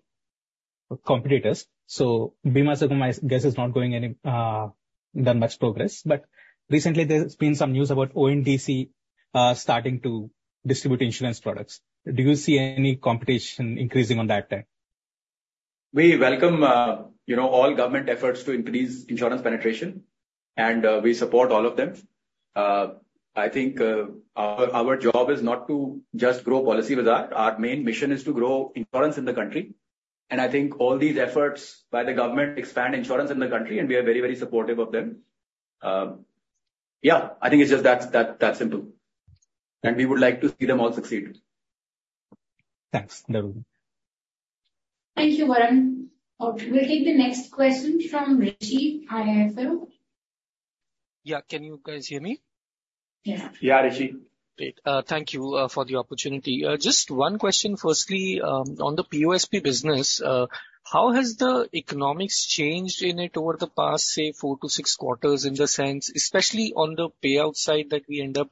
competitors, so Bima, I guess, is not going any, that much progress, but recently there's been some news about ONDC starting to distribute insurance products. Do you see any competition increasing on that time? We welcome, you know, all government efforts to increase insurance penetration, and we support all of them. I think our job is not to just grow Policybazaar. Our main mission is to grow insurance in the country, and I think all these efforts by the government expand insurance in the country, and we are very, very supportive of them. Yeah, I think it's just that simple and we would like to see them all succeed. Thanks. Thank you, Varun. We'll take the next question from Rishi, IIFL. Yeah. Can you guys hear me? Yeah. Yeah, Rishi. Great. Thank you for the opportunity. Just one question firstly on the POSP business, how has the economics changed in it over the past, say, four to six quarters, in the sense, especially on the payout side, that we end up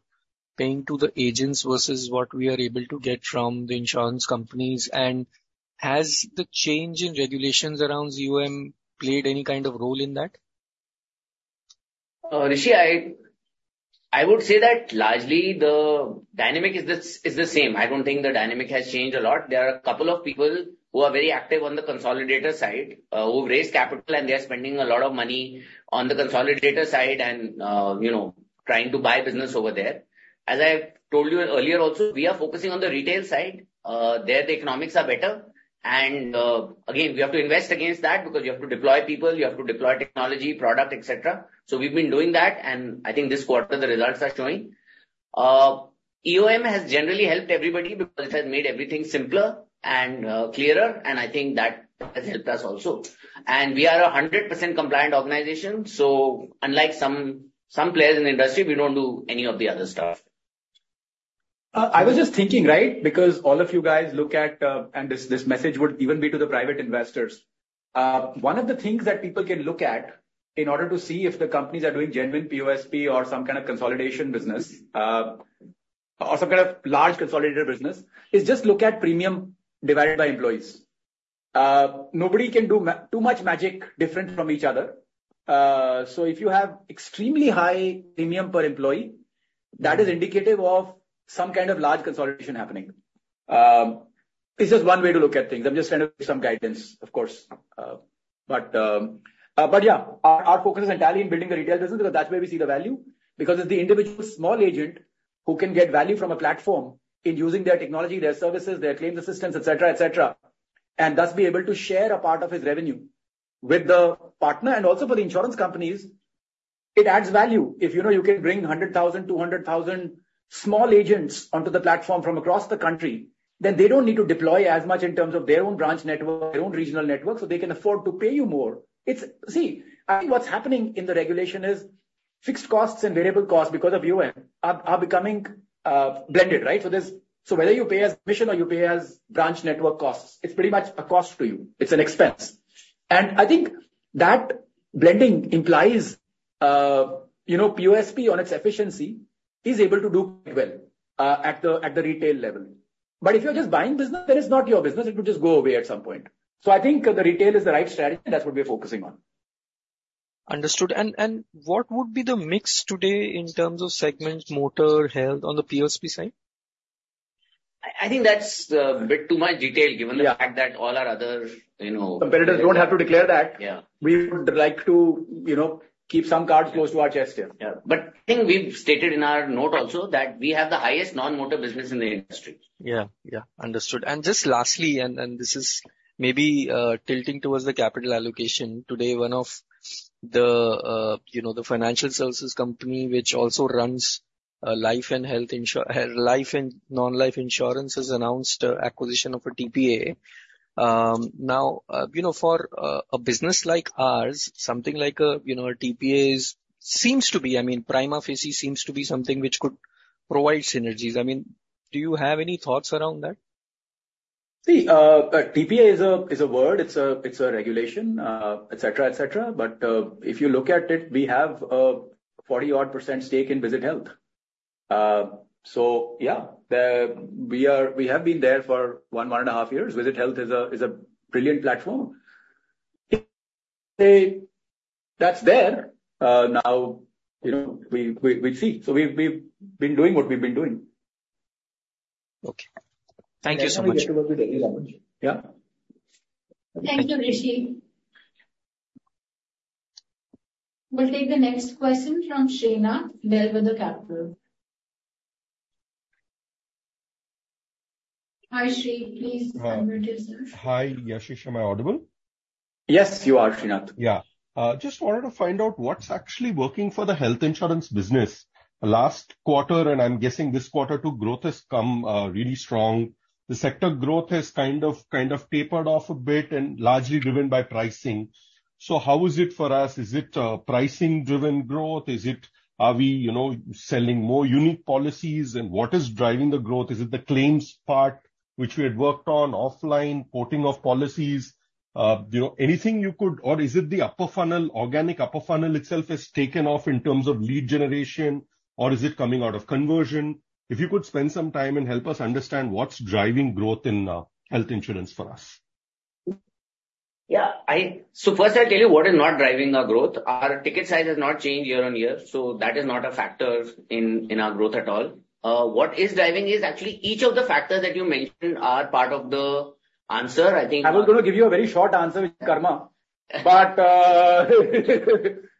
paying to the agents versus what we are able to get from the insurance companies and has the change in regulations around EOM played any kind of role in that? Rishi, I would say that largely the dynamic is the same. I don't think the dynamic has changed a lot. There are a couple of people who are very active on the consolidator side, who've raised capital, and they are spending a lot of money on the consolidator side and, you know, trying to buy business over there. As I've told you earlier also, we are focusing on the retail side. The economics are better. Again, we have to invest against that because you have to deploy people, you have to deploy technology, product, et cetera. So we've been doing that, and I think this quarter the results are showing. EOM has generally helped everybody because it has made everything simpler and, clearer, and I think that has helped us also. We are a 100% compliant organization, so unlike some players in the industry, we don't do any of the other stuff. I was just thinking, right, because all of you guys look at and this, this message would even be to the private investors. One of the things that people can look at in order to see if the companies are doing genuine POSP or some kind of consolidation business, or some kind of large consolidator business, is just look at premium divided by employees. Nobody can do too much magic different from each other. So if you have extremely high premium per employee, that is indicative of some kind of large consolidation happening. It's just one way to look at things. I'm just trying to give some guidance, of course. But yeah, our focus is entirely in building the retail business because that's where we see the value, because it's the individual small agent who can get value from a platform in using their technology, their services, their claims assistance, et cetera, et cetera, and thus be able to share a part of his revenue with the partner. Also for the insurance companies, it adds value. If you know you can bring 100,000, 200,000 small agents onto the platform from across the country, then they don't need to deploy as much in terms of their own branch network, their own regional network, so they can afford to pay you more. See, I think what's happening in the regulation is fixed costs and variable costs, because of EOM, are becoming blended, right? So whether you pay as commission or you pay as branch network costs, it's pretty much a cost to you. It's an expense. I think that blending implies, you know, POSP, on its efficiency, is able to do quite well, at the retail level. But if you're just buying business, that is not your business, it will just go away at some point. So I think, the retail is the right strategy, and that's what we're focusing on. Understood. What would be the mix today in terms of segment, motor, health, on the POSP side? I think that's a bit too much detail given the fact that all our other, you know- Competitors don't have to declare that. Yeah. We would like to, you know, keep some cards close to our chest here. Yeah. But I think we've stated in our note also that we have the highest non-motor business in the industry. Yeah, yeah. Understood. Just lastly, this is maybe tilting towards the capital allocation. Today, one of the, you know, the financial services company, which also runs life and non-life insurance, has announced an acquisition of a TPA. Now, you know, for a business like ours, something like a TPA seems to be, I mean, prima facie seems to be something which could provide synergies. I mean, do you have any thoughts around that? See, a TPA is a word, it's a regulation, et cetera, et cetera. But if you look at it, we have a 40-odd percent stake in Visit Health. So yeah, we are—we have been there for one and a half years. Visit Health is a brilliant platform. If, say, that's there, now, you know, we'll see. So we've been doing what we've been doing. Okay. Thank you so much. Yeah. Thank you, Rishi. We'll take the next question from Shrinath, Bellwether Capital. Hi, Shri, please go ahead yourself. Hi, Yashish, am I audible? Yes, you are, Shrinath. Yeah. Just wanted to find out what's actually working for the health insurance business. Last quarter, and I'm guessing this quarter too, growth has come, really strong. The sector growth has kind of, kind of tapered off a bit and largely driven by pricing. So how is it for us? Is it, pricing-driven growth? Is it... Are we, you know, selling more unique policies and what is driving the growth? Is it the claims part, which we had worked on, offline, porting of policies? You know, anything you could... Or is it the upper funnel, organic upper funnel itself has taken off in terms of lead generation, or is it coming out of conversion? If you could spend some time and help us understand what's driving growth in, health insurance for us. Yeah, so first, I'll tell you what is not driving our growth. Our ticket size has not changed year-on-year, so that is not a factor in our growth at all. What is driving is actually each of the factors that you mentioned are part of the answer, I think- I was going to give you a very short answer, which is karma. But,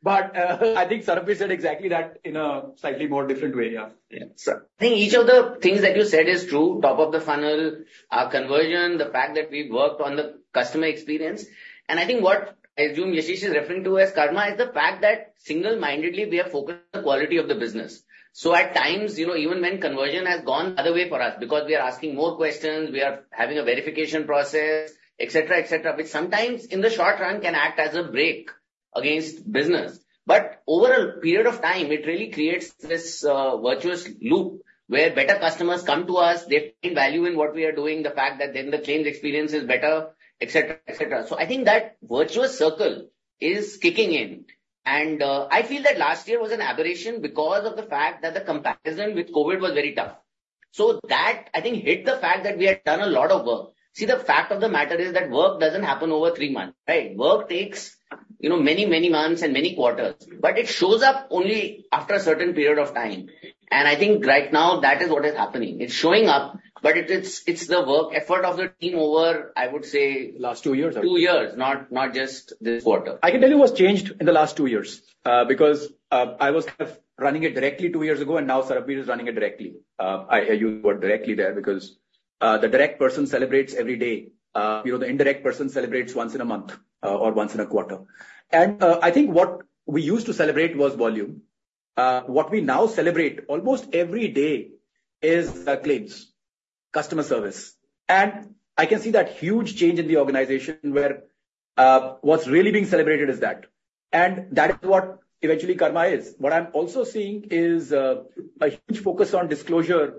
but, I think Sarbvir said exactly that in a slightly more different way. Yeah. Yeah. I think each of the things that you said is true, top of the funnel, our conversion, the fact that we've worked on the customer experience. I think what I assume Yashish is referring to as karma is the fact that single-mindedly we are focused on the quality of the business. So at times, you know, even when conversion has gone the other way for us, because we are asking more questions, we are having a verification process, et cetera, et cetera, which sometimes in the short run can act as a brake against business. But over a period of time, it really creates this virtuous loop where better customers come to us, they find value in what we are doing, the fact that then the claims experience is better, et cetera, et cetera. So I think that virtuous circle is kicking in, and I feel that last year was an aberration because of the fact that the comparison with COVID was very tough. So that, I think, hid the fact that we had done a lot of work. See, the fact of the matter is that work doesn't happen over three months, right? Work takes, you know, many, many months and many quarters, but it shows up only after a certain period of time and I think right now that is what is happening. It's showing up, but it, it's, it's the work effort of the team over, I would say- Last two years. two years, not, not just this quarter. I can tell you what's changed in the last two years, because I was kind of running it directly two years ago, and now Sarbvir is running it directly. You were directly there because the direct person celebrates every day. You know, the indirect person celebrates once in a month, or once in a quarter. I think what we used to celebrate was volume. What we now celebrate almost every day is claims, customer service. I can see that huge change in the organization where what's really being celebrated is that, and that is what eventually karma is. What I'm also seeing is a huge focus on disclosure,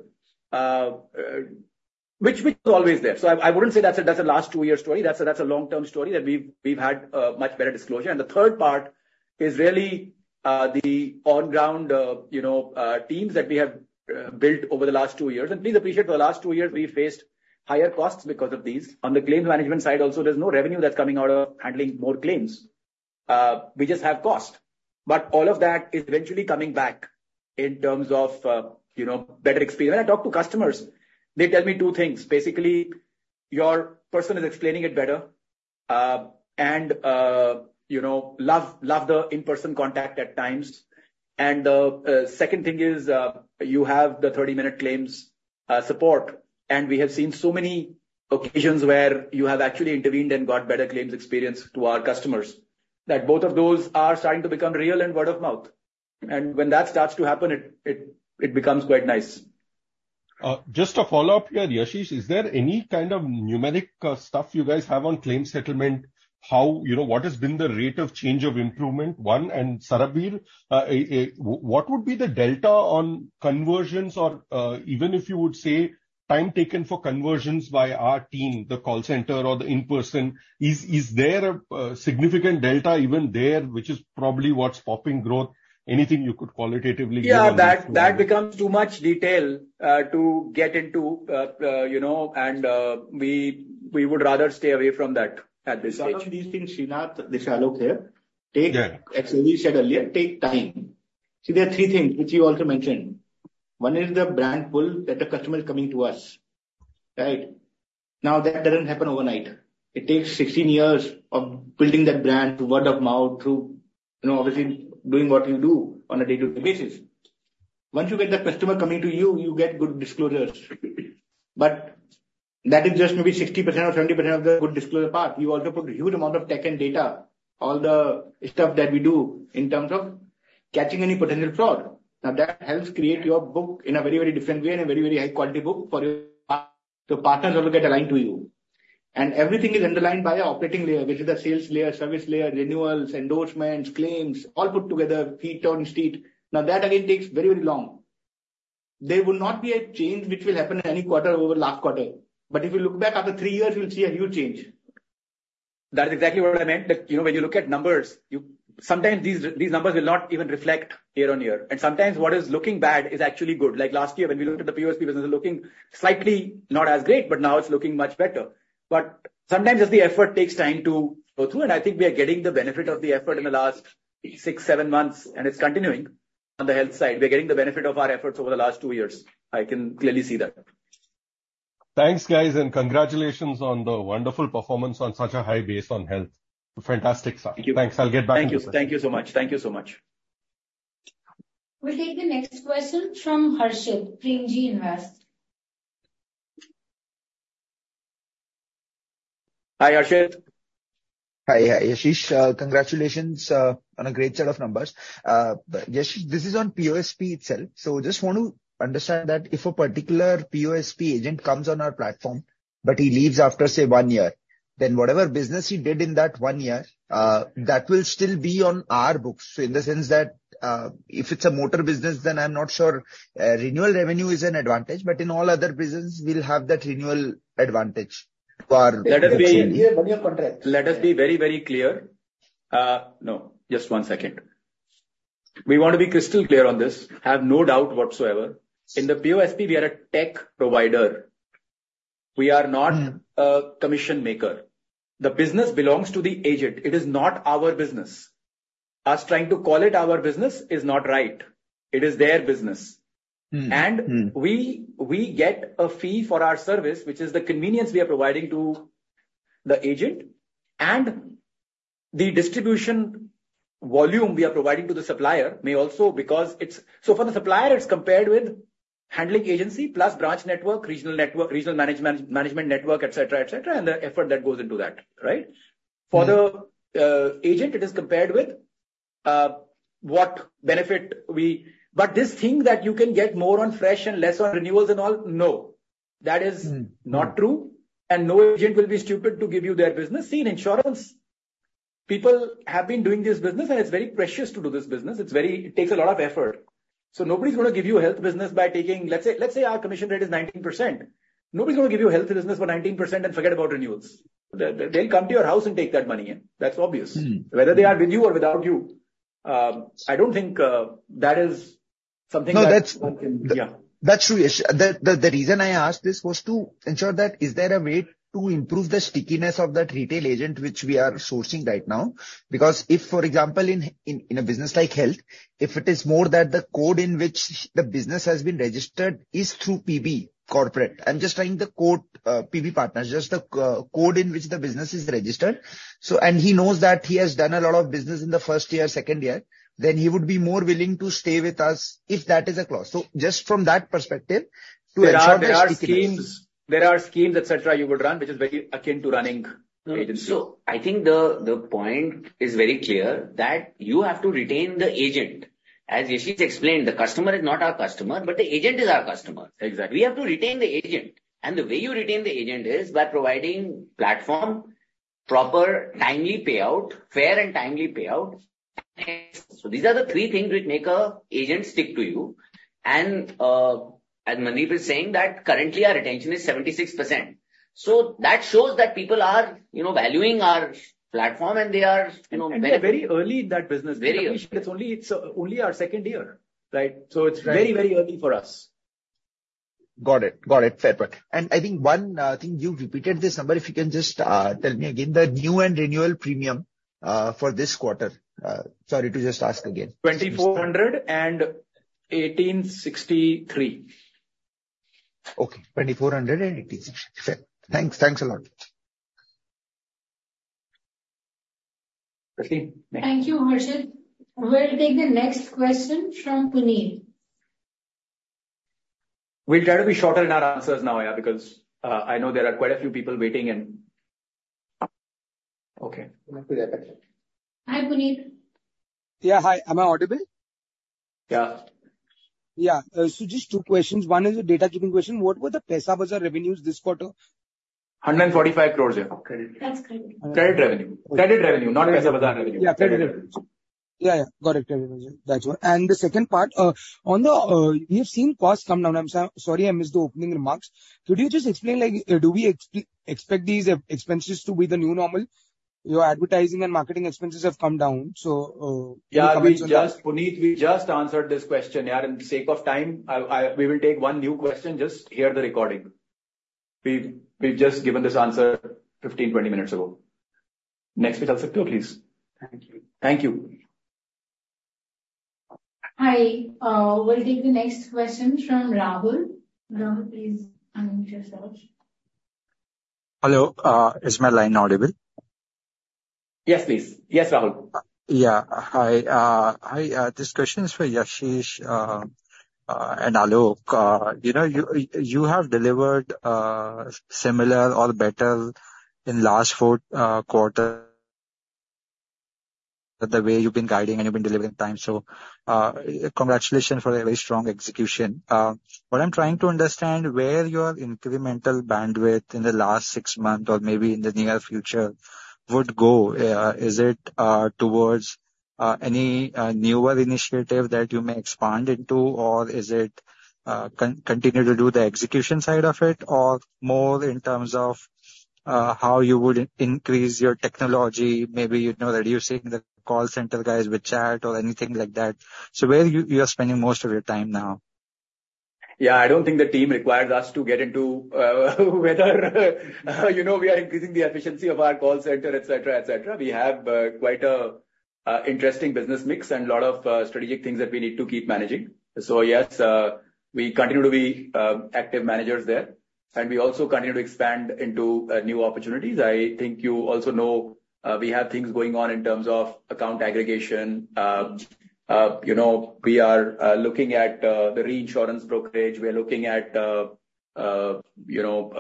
which is always there. So I wouldn't say that's a last two-year story. That's a long-term story that we've had much better disclosure and the third part is really the on-ground you know teams that we have built over the last two years. Please appreciate, for the last two years we've faced higher costs because of these. On the claims management side also, there's no revenue that's coming out of handling more claims. We just have cost. But all of that is eventually coming back in terms of you know better experience. When I talk to customers, they tell me two things: basically, your person is explaining it better and you know love the in-person contact at times. Second thing is, you have the 30-minute claims support, and we have seen so many occasions where you have actually intervened and got better claims experience to our customers, that both of those are starting to become real and word of mouth. When that starts to happen, it becomes quite nice. Just a follow-up here, Yashish. Is there any kind of numeric stuff you guys have on claims settlement? You know, what has been the rate of change of improvement, one, and, Sarbvir, what would be the delta on conversions or even if you would say, time taken for conversions by our team, the call center or the in-person, is there a significant delta even there, which is probably what's popping growth? Anything you could qualitatively give us? Yeah, that, that becomes too much detail to get into, you know, and we, we would rather stay away from that at this stage. Some of these things, Shrinath this is Alok here. Yeah. As we said earlier, take time. See, there are three things which you also mentioned. One is the brand pull that the customer is coming to us, right? Now, that doesn't happen overnight. It takes 16 years of building that brand through word of mouth, through, you know, obviously, doing what you do on a day-to-day basis. Once you get that customer coming to you, you get good disclosures. But that is just maybe 60% or 70% of the good disclosure part. You also put a huge amount of tech and data, all the stuff that we do in terms of catching any potential fraud. Now, that helps create your book in a very, very different way and a very, very high quality book for your partner, the partners who will get aligned to you. Everything is underlined by an operating layer, which is the sales layer, service layer, renewals, endorsements, claims, all put together, feet on street. Now, that again takes very, very long. There will not be a change which will happen in any quarter over last quarter, but if you look back after three years, you'll see a huge change. That is exactly what I meant, that, you know, when you look at numbers, sometimes these numbers will not even reflect year-over-year, and sometimes what is looking bad is actually good. Like last year, when we looked at the POSP business, it was looking slightly not as great, but now it's looking much better. But sometimes just the effort takes time to go through, and I think we are getting the benefit of the effort in the last 6-7 months, and it's continuing. On the health side, we're getting the benefit of our efforts over the last two years. I can clearly see that. Thanks, guys, and congratulations on the wonderful performance on such a high base on health. Fantastic stuff. Thank you. Thanks. I'll get back. Thank you. Thank you so much. Thank you so much. We'll take the next question from Harshit, Premji Invest. Hi, Harshit. Hi, hi, Yashish, congratulations on a great set of numbers. Yashish, this is on POSP itself, so just want to understand that if a particular POSP agent comes on our platform, but he leaves after, say, one year, then whatever business he did in that one year, that will still be on our books. So in the sense that, if it's a motor business, then I'm not sure, renewal revenue is an advantage, but in all other businesses, we'll have that renewal advantage for- Let us be- year, one-year contract. Let us be very, very clear. No, just one second. We want to be crystal clear on this, have no doubt whatsoever. In the POSP, we are a tech provider. We are not a commission maker. The business belongs to the agent. It is not our business. Us trying to call it our business is not right. It is their business. We get a fee for our service, which is the convenience we are providing to the agent, and the distribution volume we are providing to the supplier may also, because it's... So for the supplier, it's compared with handling agency plus branch network, regional network, regional management, management network, et cetera, et cetera, and the effort that goes into that, right? For the agent, it is compared with what benefit we... But this thing that you can get more on fresh and less on renewals and all, no, that is not true, and no agent will be stupid to give you their business. See, in insurance, people have been doing this business, and it's very precious to do this business. It's very. It takes a lot of effort. So nobody's going to give you a health business by taking, let's say, let's say our commission rate is 19%. Nobody's going to give you a health business for 19% and forget about renewals. They'll come to your house and take that money in, that's obvious. Whether they are with you or without you. I don't think that is something that- No, that's- Yeah. That's true, Yash. The reason I asked this was to ensure that is there a way to improve the stickiness of that retail agent which we are sourcing right now because if, for example, in a business like health, if it is more that the code in which the business has been registered is through PB Corporate. I'm just trying the code, PBPartners, just the code in which the business is registered. So, and he knows that he has done a lot of business in the first year, second year, then he would be more willing to stay with us if that is a clause. So just from that perspective, to ensure there are stickiness. There are schemes, et cetera, you would run, which is very akin to running agency. I think the point is very clear, that you have to retain the agent. As Yashish explained, the customer is not our customer, but the agent is our customer. Exactly. We have to retain the agent, and the way you retain the agent is by providing platform, proper timely payout, fair and timely payout. So these are the three things which make an agent stick to you. As Mandeep is saying, that currently our retention is 76%. So that shows that people are, you know, valuing our platform, and they are, you know, very- We are very early in that business. Very early. It's only, it's only our second year, right? Right. It's very, very early for us. Got it. Got it. Fair point. I think one thing you repeated this number, if you can just tell me again, the new and renewal premium for this quarter. Sorry to just ask again. 2,418.63. Okay. 2,418.63. Thanks. Thanks a lot. Thank you, Harshit. We'll take the next question from Puneet. We'll try to be shorter in our answers now, yeah, because I know there are quite a few people waiting and... Okay. Hi, Puneet. Yeah. Hi, am I audible? Yeah. Yeah. So just two questions. One is a data keeping question: What were the Paisabazaar revenues this quarter? 145 crore. Credit. That's correct. Credit revenue. Credit revenue, not Paisabazaar revenue. Yeah, credit revenue. Yeah, yeah, got it. Credit revenue. That's right. The second part, on the... we have seen costs come down. I'm sorry, I missed the opening remarks. Could you just explain, like, do we expect these expenses to be the new normal? Your advertising and marketing expenses have come down, so- Yeah, we just... Puneet, we just answered this question. Yeah, in the sake of time, we will take one new question, just hear the recording. We've just given this answer 15-20 minutes ago. Next, please. Thank you. Thank you. Hi. We'll take the next question from Rahul. Rahul, please unmute yourself. Hello, is my line audible? Yes, please. Yes, Rahul. Yeah. Hi, hi, this question is for Yashish and Alok. You know, you have delivered similar or better in last four quarter, the way you've been guiding and you've been delivering time. So, congratulations for a very strong execution. What I'm trying to understand, where your incremental bandwidth in the last six months or maybe in the near future would go? Is it towards any newer initiative that you may expand into, or is it continue to do the execution side of it, or more in terms of how you would increase your technology? Maybe you'd know, reducing the call center guys with chat or anything like that. So where are you spending most of your time now? Yeah, I don't think the team requires us to get into whether you know we are increasing the efficiency of our call center, et cetera, et cetera. We have quite a interesting business mix and a lot of strategic things that we need to keep managing. So yes, we continue to be active managers there, and we also continue to expand into new opportunities. I think you also know we have things going on in terms of account aggregation. You know, we are looking at the reinsurance brokerage. We are looking at you know...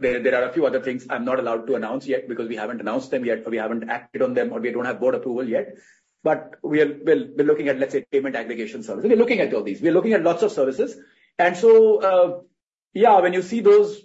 There are a few other things I'm not allowed to announce yet, because we haven't announced them yet, or we haven't acted on them, or we don't have board approval yet. But we're looking at, let's say, payment aggregation services. We're looking at all these. We're looking at lots of services, and so, yeah, when you see those,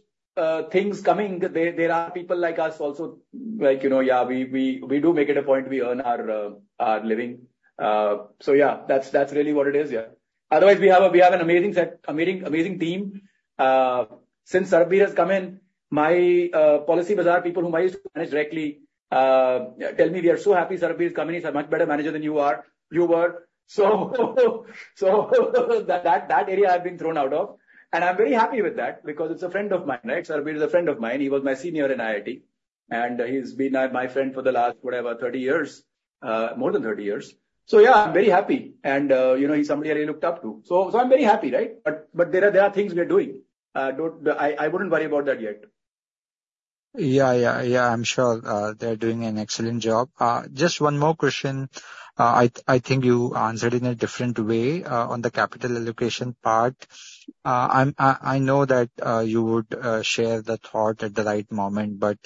things coming, there are people like us also, like, you know, yeah, we do make it a point, we earn our living. So yeah, that's really what it is, yeah. Otherwise, we have an amazing set, amazing team. Since Sarbvir has come in, my Policybazaar people whom I used to manage directly tell me: "We are so happy Sarbvir is coming. He's a much better manager than you are, you were." So, that area I've been thrown out of, and I'm very happy with that because he's a friend of mine, right? Sarbvir is a friend of mine. He was my senior in IIT, and he's been my friend for the last, whatever, 30 years, more than 30 years. So yeah, I'm very happy and, you know, he's somebody I looked up to. So I'm very happy, right? But there are things we are doing. Don't... I wouldn't worry about that yet. Yeah, yeah, yeah, I'm sure they're doing an excellent job. Just one more question. I think you answered in a different way on the capital allocation part. I know that you would share the thought at the right moment, but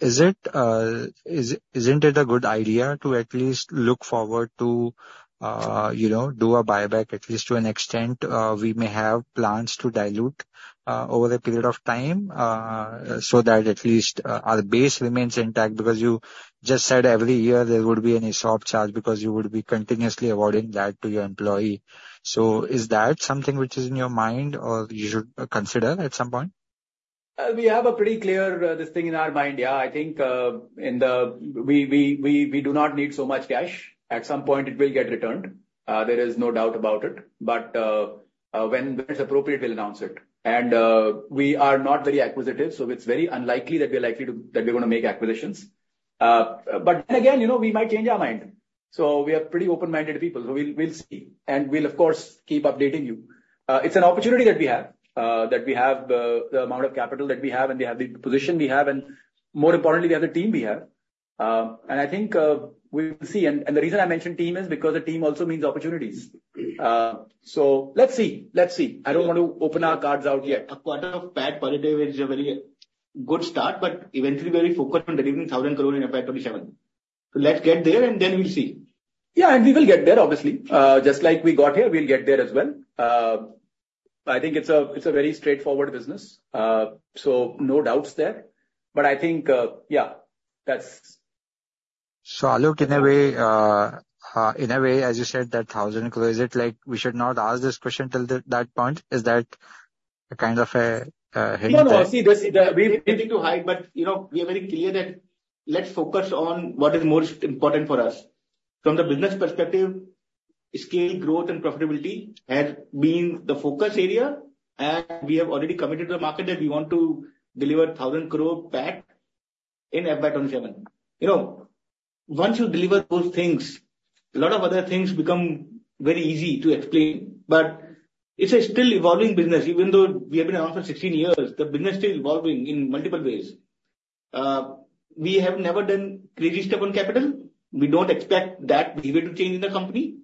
isn't it a good idea to at least look forward to, you know, do a buyback, at least to an extent? We may have plans to dilute over a period of time, so that at least our base remains intact, because you just said every year there would be an ESOP charge because you would be continuously awarding that to your employee. So is that something which is in your mind or you should consider at some point? We have a pretty clear this thing in our mind. Yeah, I think we do not need so much cash. At some point it will get returned, there is no doubt about it. But when it's appropriate, we'll announce it and we are not very acquisitive, so it's very unlikely that we're gonna make acquisitions. But then again, you know, we might change our mind. So we are pretty open-minded people, so we'll see and we'll of course keep updating you. It's an opportunity that we have that we have the amount of capital that we have, and we have the position we have, and more importantly, we have the team we have and I think we'll see. The reason I mention team is because the team also means opportunities. So let's see, let's see. I don't want to open our cards out yet. A quarter of PAT per day is a very good start, but eventually we are focused on delivering 1,000 crore in FY 2027. So let's get there, and then we'll see. Yeah, and we will get there, obviously. Just like we got here, we'll get there as well. I think it's a, it's a very straightforward business, so no doubts there, but I think, yeah, that's- So Alok, in a way, in a way, as you said, that 1,000 crore, is it like we should not ask this question till that point? Is that a kind of a hint there? No, no, see, there's nothing to hide, but, you know, we are very clear that let's focus on what is most important for us. From the business perspective, scale, growth, and profitability have been the focus area, and we have already committed to the market that we want to deliver 1,000 crore PAT in FY 2027. You know, once you deliver those things, a lot of things become very easy to explain, but it's a still evolving business. Even though we have been around for 16 years, the business is still evolving in multiple ways. We have never been crazy step on capital. We don't expect that behavior to change in the company.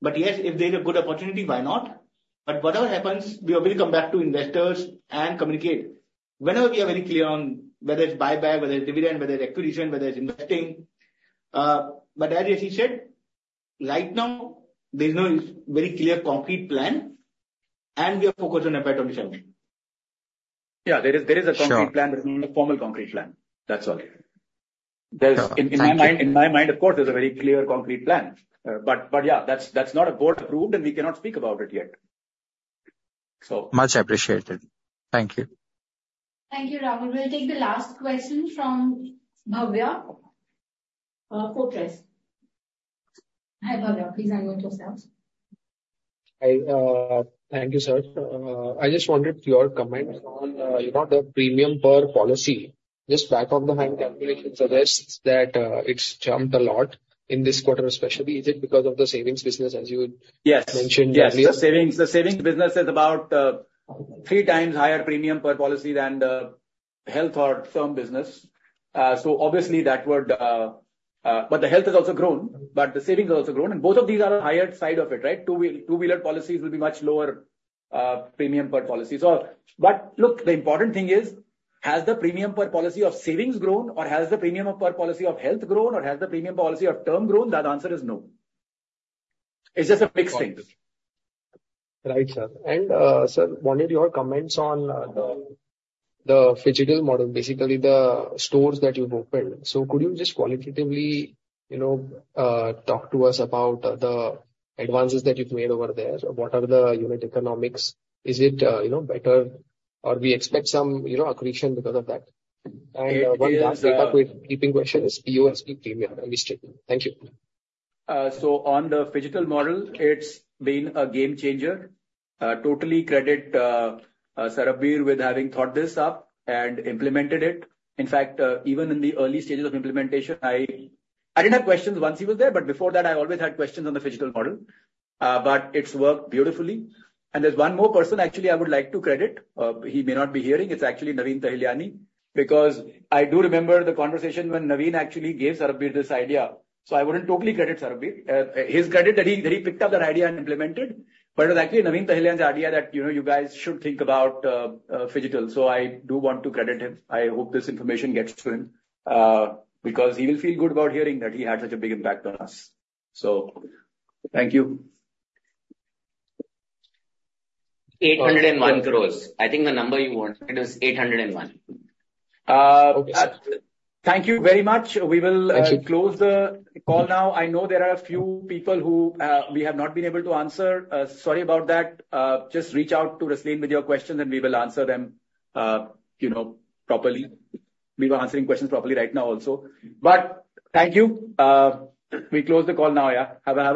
But yes, if there's a good opportunity, why not? But whatever happens, we will come back to investors and communicate. Whenever we are very clear on whether it's buyback, whether it's dividend, whether it's acquisition, whether it's investing, but as Yashish said, right now there's no very clear concrete plan, and we are focused on FY 2027. Yeah, there is a concrete plan- Sure. There's not a formal concrete plan. That's all. Sure. Thank you. In my mind, of course, there's a very clear concrete plan. But yeah, that's not board-approved, and we cannot speak about it yet. So... Much appreciated. Thank you. Thank you, Rahul. We'll take the last question from Bhavya Kotak. Hi, Bhavya, please go ahead yourself. Hi, thank you, sir. I just wanted your comments on, you know, the premium per policy. Just back of the hand calculations suggests that, it's jumped a lot in this quarter, especially. Is it because of the savings business, as you- Yes. -mentioned earlier? Yes, the savings, the savings business is about three times higher premium per policy than the health or term business. So obviously, that would... But the health has also grown, but the savings has also grown, and both of these are the higher side of it, right? Two-wheeler policies will be much lower premium per policy. So, but look, the important thing is, has the premium per policy of savings grown or has the premium of per policy of health grown or has the premium policy of term grown? That answer is no. It's just a mixing. Right, sir. Sir wanted your comments on the phygital model, basically the stores that you've opened. So could you just qualitatively, you know, talk to us about the advances that you've made over there? So what are the unit economics? Is it, you know, better, or we expect some, you know, accretion because of that? It is. One last housekeeping question is POSP premium and disbursement. Thank you. So on the phygital model, it's been a game changer. Totally credit Sarbvir with having thought this up and implemented it. In fact, even in the early stages of implementation, I didn't have questions once he was there, but before that, I always had questions on the phygital model. But it's worked beautifully. There's one more person actually I would like to credit, he may not be here hearing, it's actually Naveen Tahilyani, because I do remember the conversation when Naveen actually gave Sarbvir this idea. So I wouldn't totally credit Sarbvir. He's credited that he picked up that idea and implemented, but it was actually Naveen Tahilyani's idea that, you know, you guys should think about phygital. So I do want to credit him. I hope this information gets to him, because he will feel good about hearing that he had such a big impact on us. So thank you. 801 crore. I think the number you want, it is 801. Okay. Thank you very much. Thank you. We will close the call now. I know there are a few people who we have not been able to answer. Sorry about that. Just reach out to Rasleen with your questions, and we will answer them, you know, properly. We were answering questions properly right now also. But thank you. We close the call now. Yeah. Have a, have a-